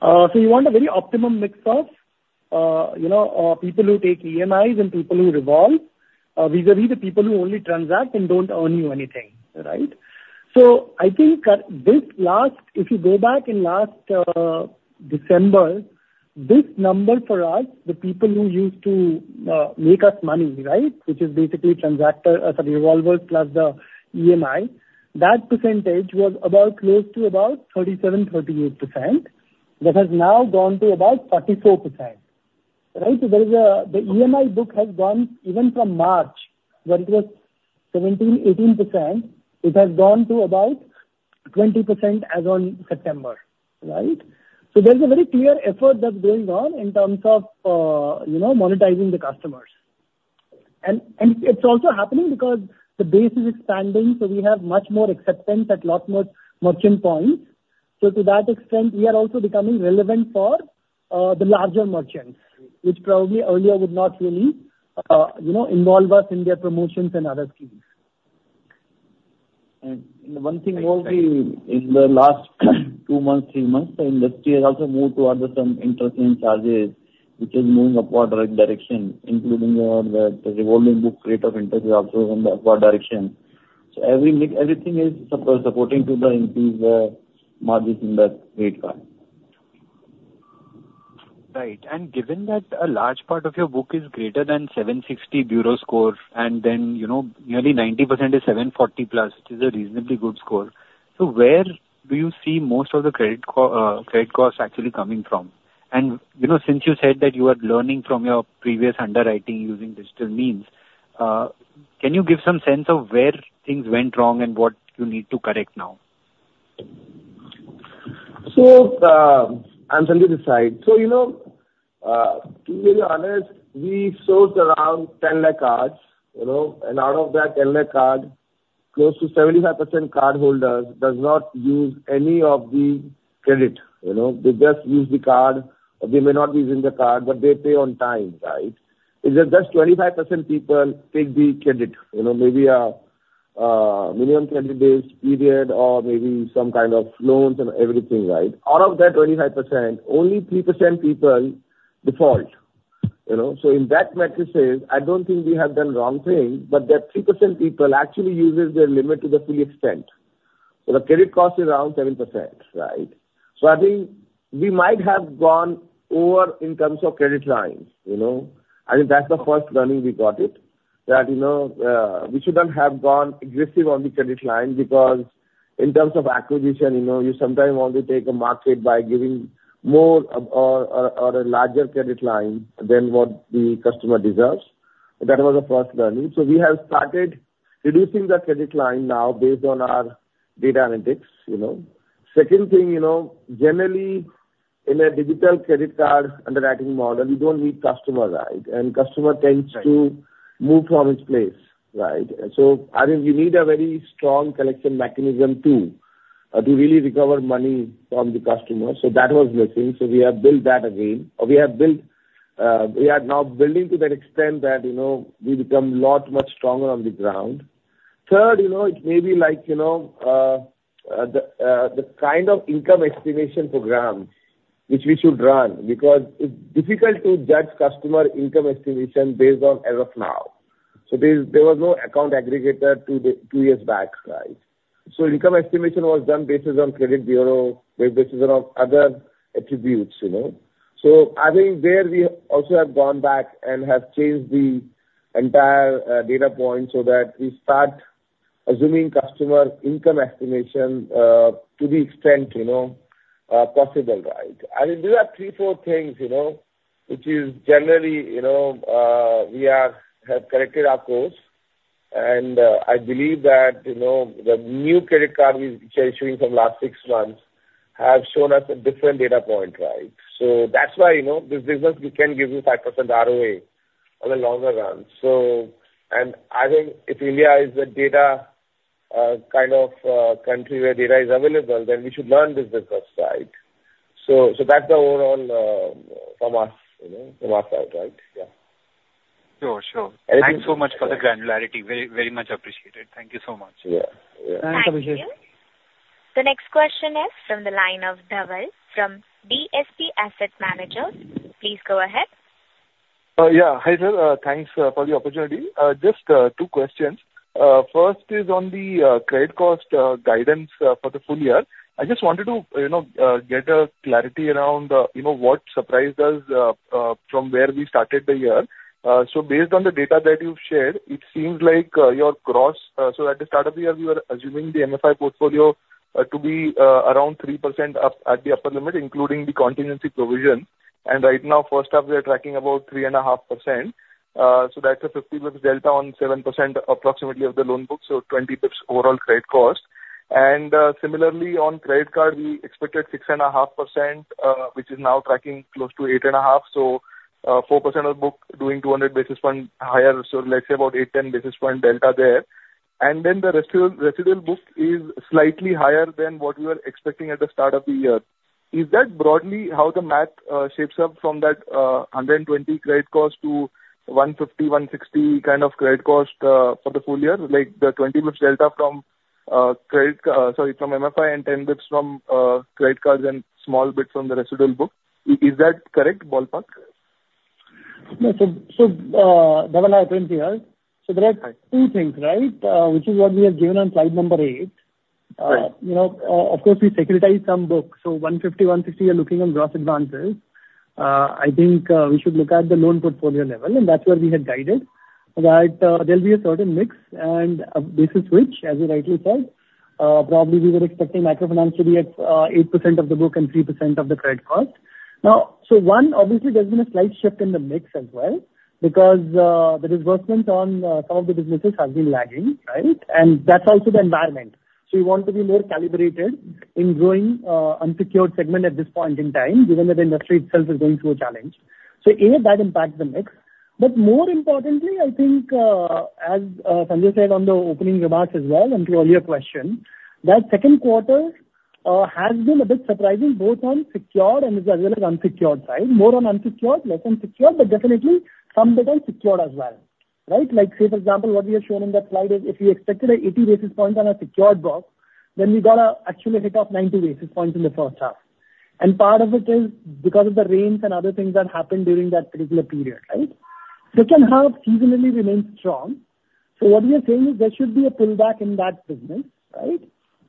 So you want a very optimum mix of you know people who take EMIs and people who revolve vis-à-vis the people who only transact and don't earn you anything, right? So I think at this last... if you go back in last December, this number for us, the people who used to make us money, right? Which is basically transactor, sorry, revolvers plus the EMI, that percentage was about close to about 37-38%. That has now gone to about 44%. Right? So there is a, the EMI book has gone even from March, when it was 17-18%, it has gone to about 20% as on September, right? So there's a very clear effort that's going on in terms of, you know, monetizing the customers. And it's also happening because the base is expanding, so we have much more acceptance at lot more merchant points. So to that extent, we are also becoming relevant for, the larger merchants, which probably earlier would not really, you know, involve us in their promotions and other schemes. And one thing more, we in the last two months, three months, the industry has also moved toward some interchange charges, which is moving upward direction, including the revolving book rate of interest is also in the upward direction. So everything is supporting to the increase, margins in the credit card. Right. And given that a large part of your book is greater than 7.60 score, and then, you know, nearly 90% is 7.40+, which is a reasonably good score, so where do you see most of the credit costs actually coming from? And, you know, since you said that you are learning from your previous underwriting using digital means, can you give some sense of where things went wrong and what you need to correct now? So, I'm Sanjay this side. So, you know, to be honest, we sourced around ten lakh cards, you know, and out of that ten lakh cards, close to 75% cardholders does not use any of the credit. You know, they just use the card, or they may not be using the card, but they pay on time, right? It's just 25% people take the credit, you know, maybe, minimum twenty days period or maybe some kind of loans and everything, right? Out of that 25%, only 3% people default, you know. So in that metrics, I don't think we have done wrong thing, but that 3% people actually uses their limit to the full extent, so the credit cost is around 7%, right? So I think we might have gone over in terms of credit lines, you know. I think that's the first learning we got it, that, you know, we shouldn't have gone aggressive on the credit line because in terms of acquisition, you know, you sometimes want to take a market by giving more or a larger credit line than what the customer deserves. That was the first learning. So we have started reducing the credit line now based on our data analytics, you know. Second thing, you know, generally, in a digital credit card underwriting model, you don't meet customer, right? And customer tends to- Right. -move from its place, right? So I think we need a very strong collection mechanism too, to really recover money from the customer. So that was missing, so we have built that again. We have built, we are now building to that extent that, you know, we become lot much stronger on the ground. Third, you know, it may be like, you know, the kind of income estimation program which we should run, because it's difficult to judge customer income estimation based on as of now. So there, there was no account aggregator two years back, right? So income estimation was done based on credit bureau, based on other attributes, you know. So I think there we also have gone back and have changed the entire data point so that we start assuming customer income estimation to the extent you know possible right? I mean these are three four things you know which is generally you know we have corrected our course. And I believe that you know the new credit card we've been issuing from last six months have shown us a different data point right? That's why you know this business we can give you 5% ROA on the longer run. And I think if India is the data kind of country where data is available then we should learn this business right? That's the overall from us you know from our side right? Yeah. Sure, sure. Anything- Thanks so much for the granularity. Very, very much appreciated. Thank you so much. Yeah. Thank you. The next question is from the line of Dhaval from DSP Asset Managers. Please go ahead. Yeah. Hi there. Thanks for the opportunity. Just two questions. First is on the credit cost guidance for the full year. I just wanted to, you know, get a clarity around, you know, what surprised us from where we started the year. So based on the data that you've shared, it seems like your gross, so at the start of the year, you were assuming the MFI portfolio to be around 3% up at the upper limit, including the contingency provision. And right now, H1, we are tracking about 3.5%, so that's a 50 basis delta on 7% approximately of the loan book, so 20 basis overall credit cost. Similarly, on credit card, we expected 6.5%, which is now tracking close to 8.5%. So, 4% of book doing 200 basis point higher, so let's say about 8-10 basis point delta there. And then the residual book is slightly higher than what we were expecting at the start of the year. Is that broadly how the math shapes up from that 120 credit cost to 150-160 kind of credit cost for the full year, like the 20 basis delta from credit, sorry, from MFI and 10 basis from credit cards and small bits from the residual book? Is that correct, ballpark? No. So, Dhaval, I think here- Hi. So there are two things, right? Which is what we have given on slide number eight. Right. You know, of course, we securitize some books, so 150-160, we're looking on gross advances. I think we should look at the loan portfolio level, and that's where we had guided, that there'll be a certain mix and a business which, as you rightly said, probably we were expecting microfinance to be at 8% of the book and 3% of the credit card. Now, so, obviously there's been a slight shift in the mix as well, because the disbursement on some of the businesses have been lagging, right? And that's also the environment. So we want to be more calibrated in growing unsecured segment at this point in time, given that the industry itself is going through a challenge. So, A, that impacts the mix. But more importantly, I think, as Sanjay said on the opening remarks as well, and to your question, that Q2 has been a bit surprising, both on secured and as well as unsecured side. More on unsecured, less on secured, but definitely some bit on secured as well, right? Like, say, for example, what we have shown in that slide is if we expected eighty basis points on a secured book, then we got actually a hit of ninety basis points in the H1. And part of it is because of the rains and other things that happened during that particular period, right? H2 seasonally remains strong. So what we are saying is there should be a pullback in that segment, right?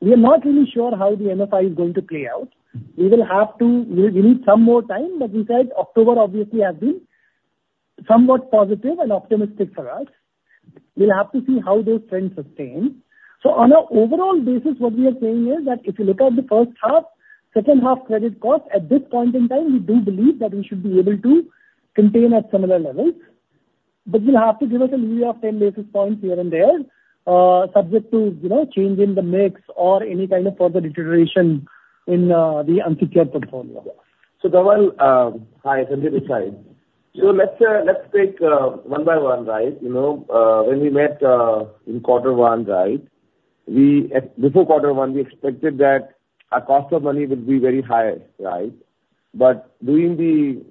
We are not really sure how the MFI is going to play out. We will have to... We need some more time, but we said October obviously has been somewhat positive and optimistic for us. We'll have to see how those trends sustain. So on a overall basis, what we are saying is that if you look at the H1, H2 credit cost, at this point in time, we do believe that we should be able to contain at similar levels. But we'll have to give it a leeway of ten basis points here and there, subject to, you know, change in the mix or any kind of further deterioration in the unsecured portfolio. So, Dhaval, hi, Sanjay this side. So let's take one by one, right? You know, when we met in Q1, right? We, before Q1, we expected that our cost of money would be very high, right? But during the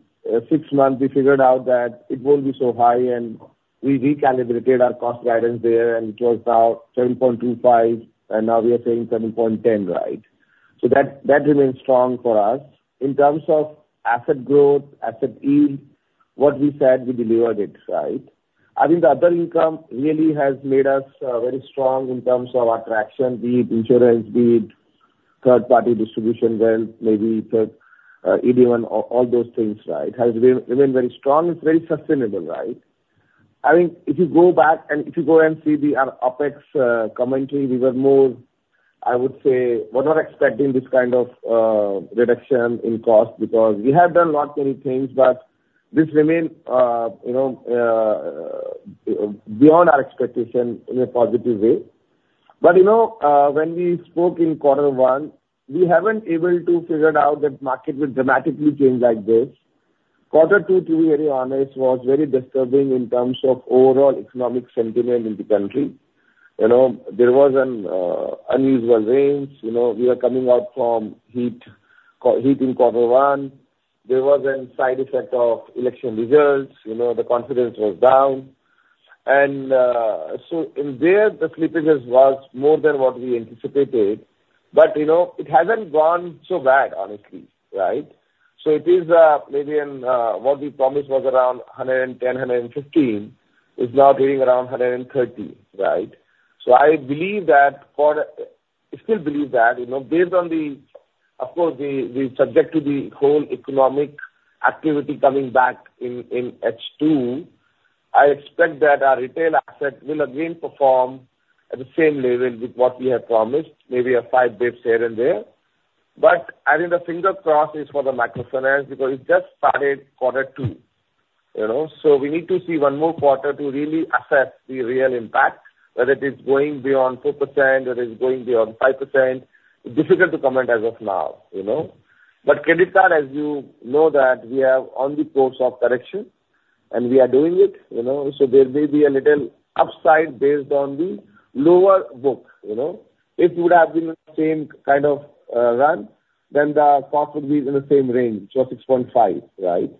six months, we figured out that it won't be so high, and we recalibrated our cost guidance there, and it was about seven point two five, and now we are saying seven point ten, right? So that remains strong for us. In terms of asset growth, asset yield, what we said, we delivered it, right? I think the other income really has made us very strong in terms of our traction, be it insurance, be it third-party distribution, then maybe it's EDM and all those things, right? Has been remained very strong. It's very sustainable, right? I think if you go back and if you go and see the, our OpEx, commentary, we were more, I would say, we're not expecting this kind of, reduction in cost because we have done not many things, but this remained, you know, beyond our expectation in a positive way. But, you know, when we spoke in Q1, we haven't able to figured out that market would dramatically change like this. Q2, to be very honest, was very disturbing in terms of overall economic sentiment in the country. You know, there was an, unusual rains. You know, we are coming out from heat, heat in Q1. There was a side effect of election results. You know, the confidence was down. And, so in there, the slippages was more than what we anticipated. But, you know, it hasn't gone so bad, honestly, right? So it is, maybe in, what we promised was around 110, 115, is now getting around 130, right? So I believe that for, I still believe that, you know, based on the... Of course, the, the subject to the whole economic activity coming back in, in H2, I expect that our retail asset will again perform at the same level with what we had promised, maybe 5 basis points here and there. But I think the fingers crossed is for the microfinance because it just started Q2 you know? So we need to see one more quarter to really assess the real impact, whether it is going beyond 4%, whether it is going beyond 5%. Difficult to comment as of now, you know? But credit card, as you know that, we are on the course of correction, and we are doing it, you know, so there may be a little upside based on the lower book, you know? If it would have been the same kind of run, then the cost would be in the same range, so 6.5%, right?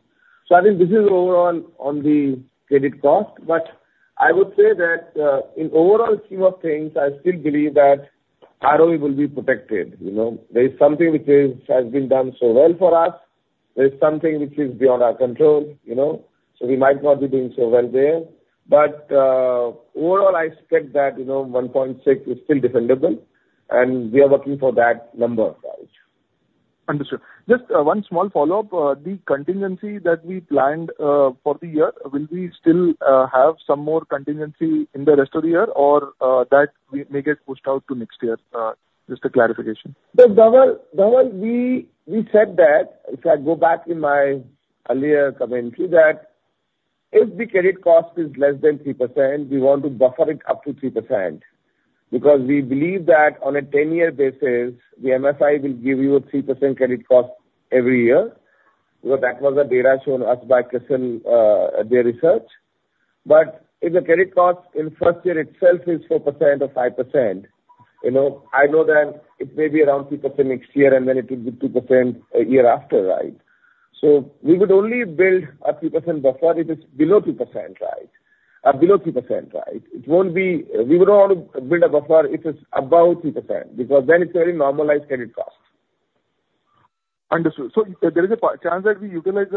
So I think this is overall on the credit cost, but I would say that, in overall scheme of things, I still believe that ROE will be protected, you know. There is something which has been done so well for us. There is something which is beyond our control, you know, so we might not be doing so well there. But, overall, I expect that, you know, 1.6% is still defendable, and we are working for that number, right. Understood. Just, one small follow-up. The contingency that we planned, for the year, will we still, have some more contingency in the rest of the year or, that may get pushed out to next year? Just a clarification. Look, Dhaval, we said that, if I go back in my earlier commentary, that if the credit cost is less than 3%, we want to buffer it up to 3%, because we believe that on a ten-year basis, the MFI will give you a 3% credit cost every year, because that was the data shown us by CRISIL, their research. But if the credit cost in first year itself is 4% or 5%, you know, I know that it may be around 2% next year, and then it will be 2% year after, right? So we would only build a 3% buffer if it's below 2%, right? Below 2%, right. It won't be. We would not build a buffer if it's above 2%, because then it's very normalized credit cost. Understood. So there is a chance that we utilize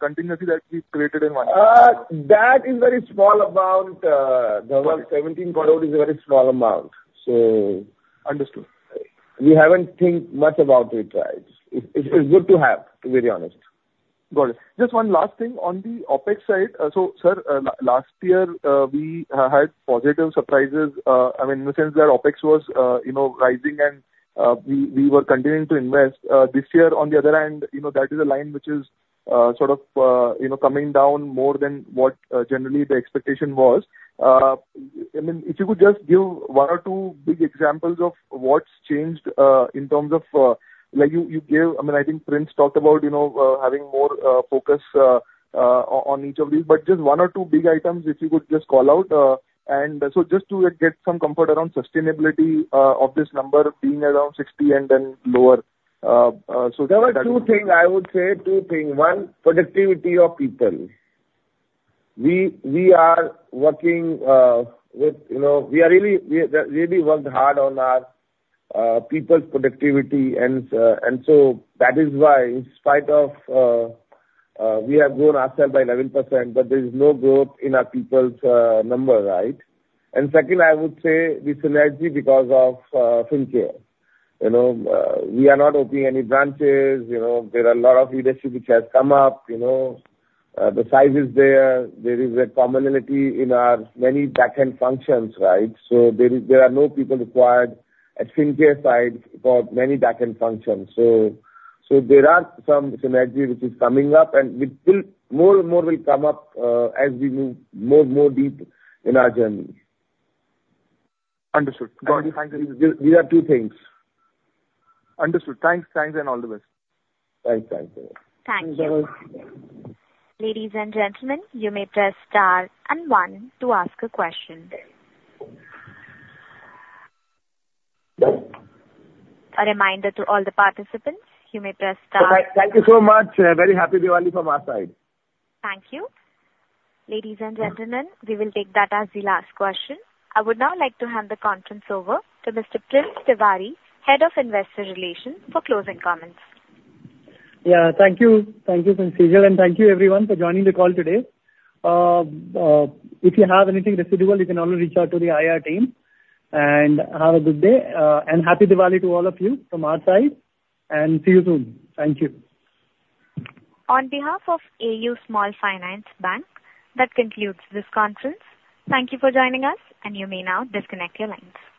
contingency that we created in one year? That is very small amount, Dhaval. 17 crore is a very small amount, so- Understood. We haven't think much about it, right. It's good to have, to be very honest. Got it. Just one last thing on the OpEx side. So, sir, last year, we had positive surprises. I mean, in the sense that OpEx was, you know, rising and we were continuing to invest. This year, on the other hand, you know, that is a line which is, sort of, you know, coming down more than what generally the expectation was. I mean, if you could just give one or two big examples of what's changed, in terms of, like you gave. I mean, I think Prince talked about, you know, having more focus on each of these, but just one or two big items, if you could just call out. And so just to get some comfort around sustainability of this number being around sixty and then lower, so- There are two things. I would say two things. One, productivity of people. We are working with, you know, we are really really worked hard on our people's productivity and so that is why in spite of we have grown ourselves by 11%, but there is no growth in our people's number, right? And second, I would say the synergy because of Fincare. You know, we are not opening any branches. You know, there are a lot of leadership which has come up, you know. The size is there. There is a commonality in our many backend functions, right? So there are no people required at Fincare side for many backend functions. So, there are some synergy which is coming up, and we build more and more will come up, as we move more deep in our journey. Understood. These are two things. Understood. Thanks, thanks, and all the best. Thanks. Thank you. Thank you. Ladies and gentlemen, you may press Star and One to ask a question. A reminder to all the participants, you may press Star- Thank you so much. Very happy Diwali from our side. Thank you. Ladies and gentlemen, we will take that as the last question. I would now like to hand the conference over to Mr. Prince Tiwari, Head of Investor Relations, for closing comments. Yeah, thank you. Thank you, Sanjayji, and thank you everyone for joining the call today. If you have anything residual, you can always reach out to the IR team, and have a good day, and Happy Diwali to all of you from our side, and see you soon. Thank you. On behalf of AU Small Finance Bank, that concludes this conference. Thank you for joining us, and you may now disconnect your lines.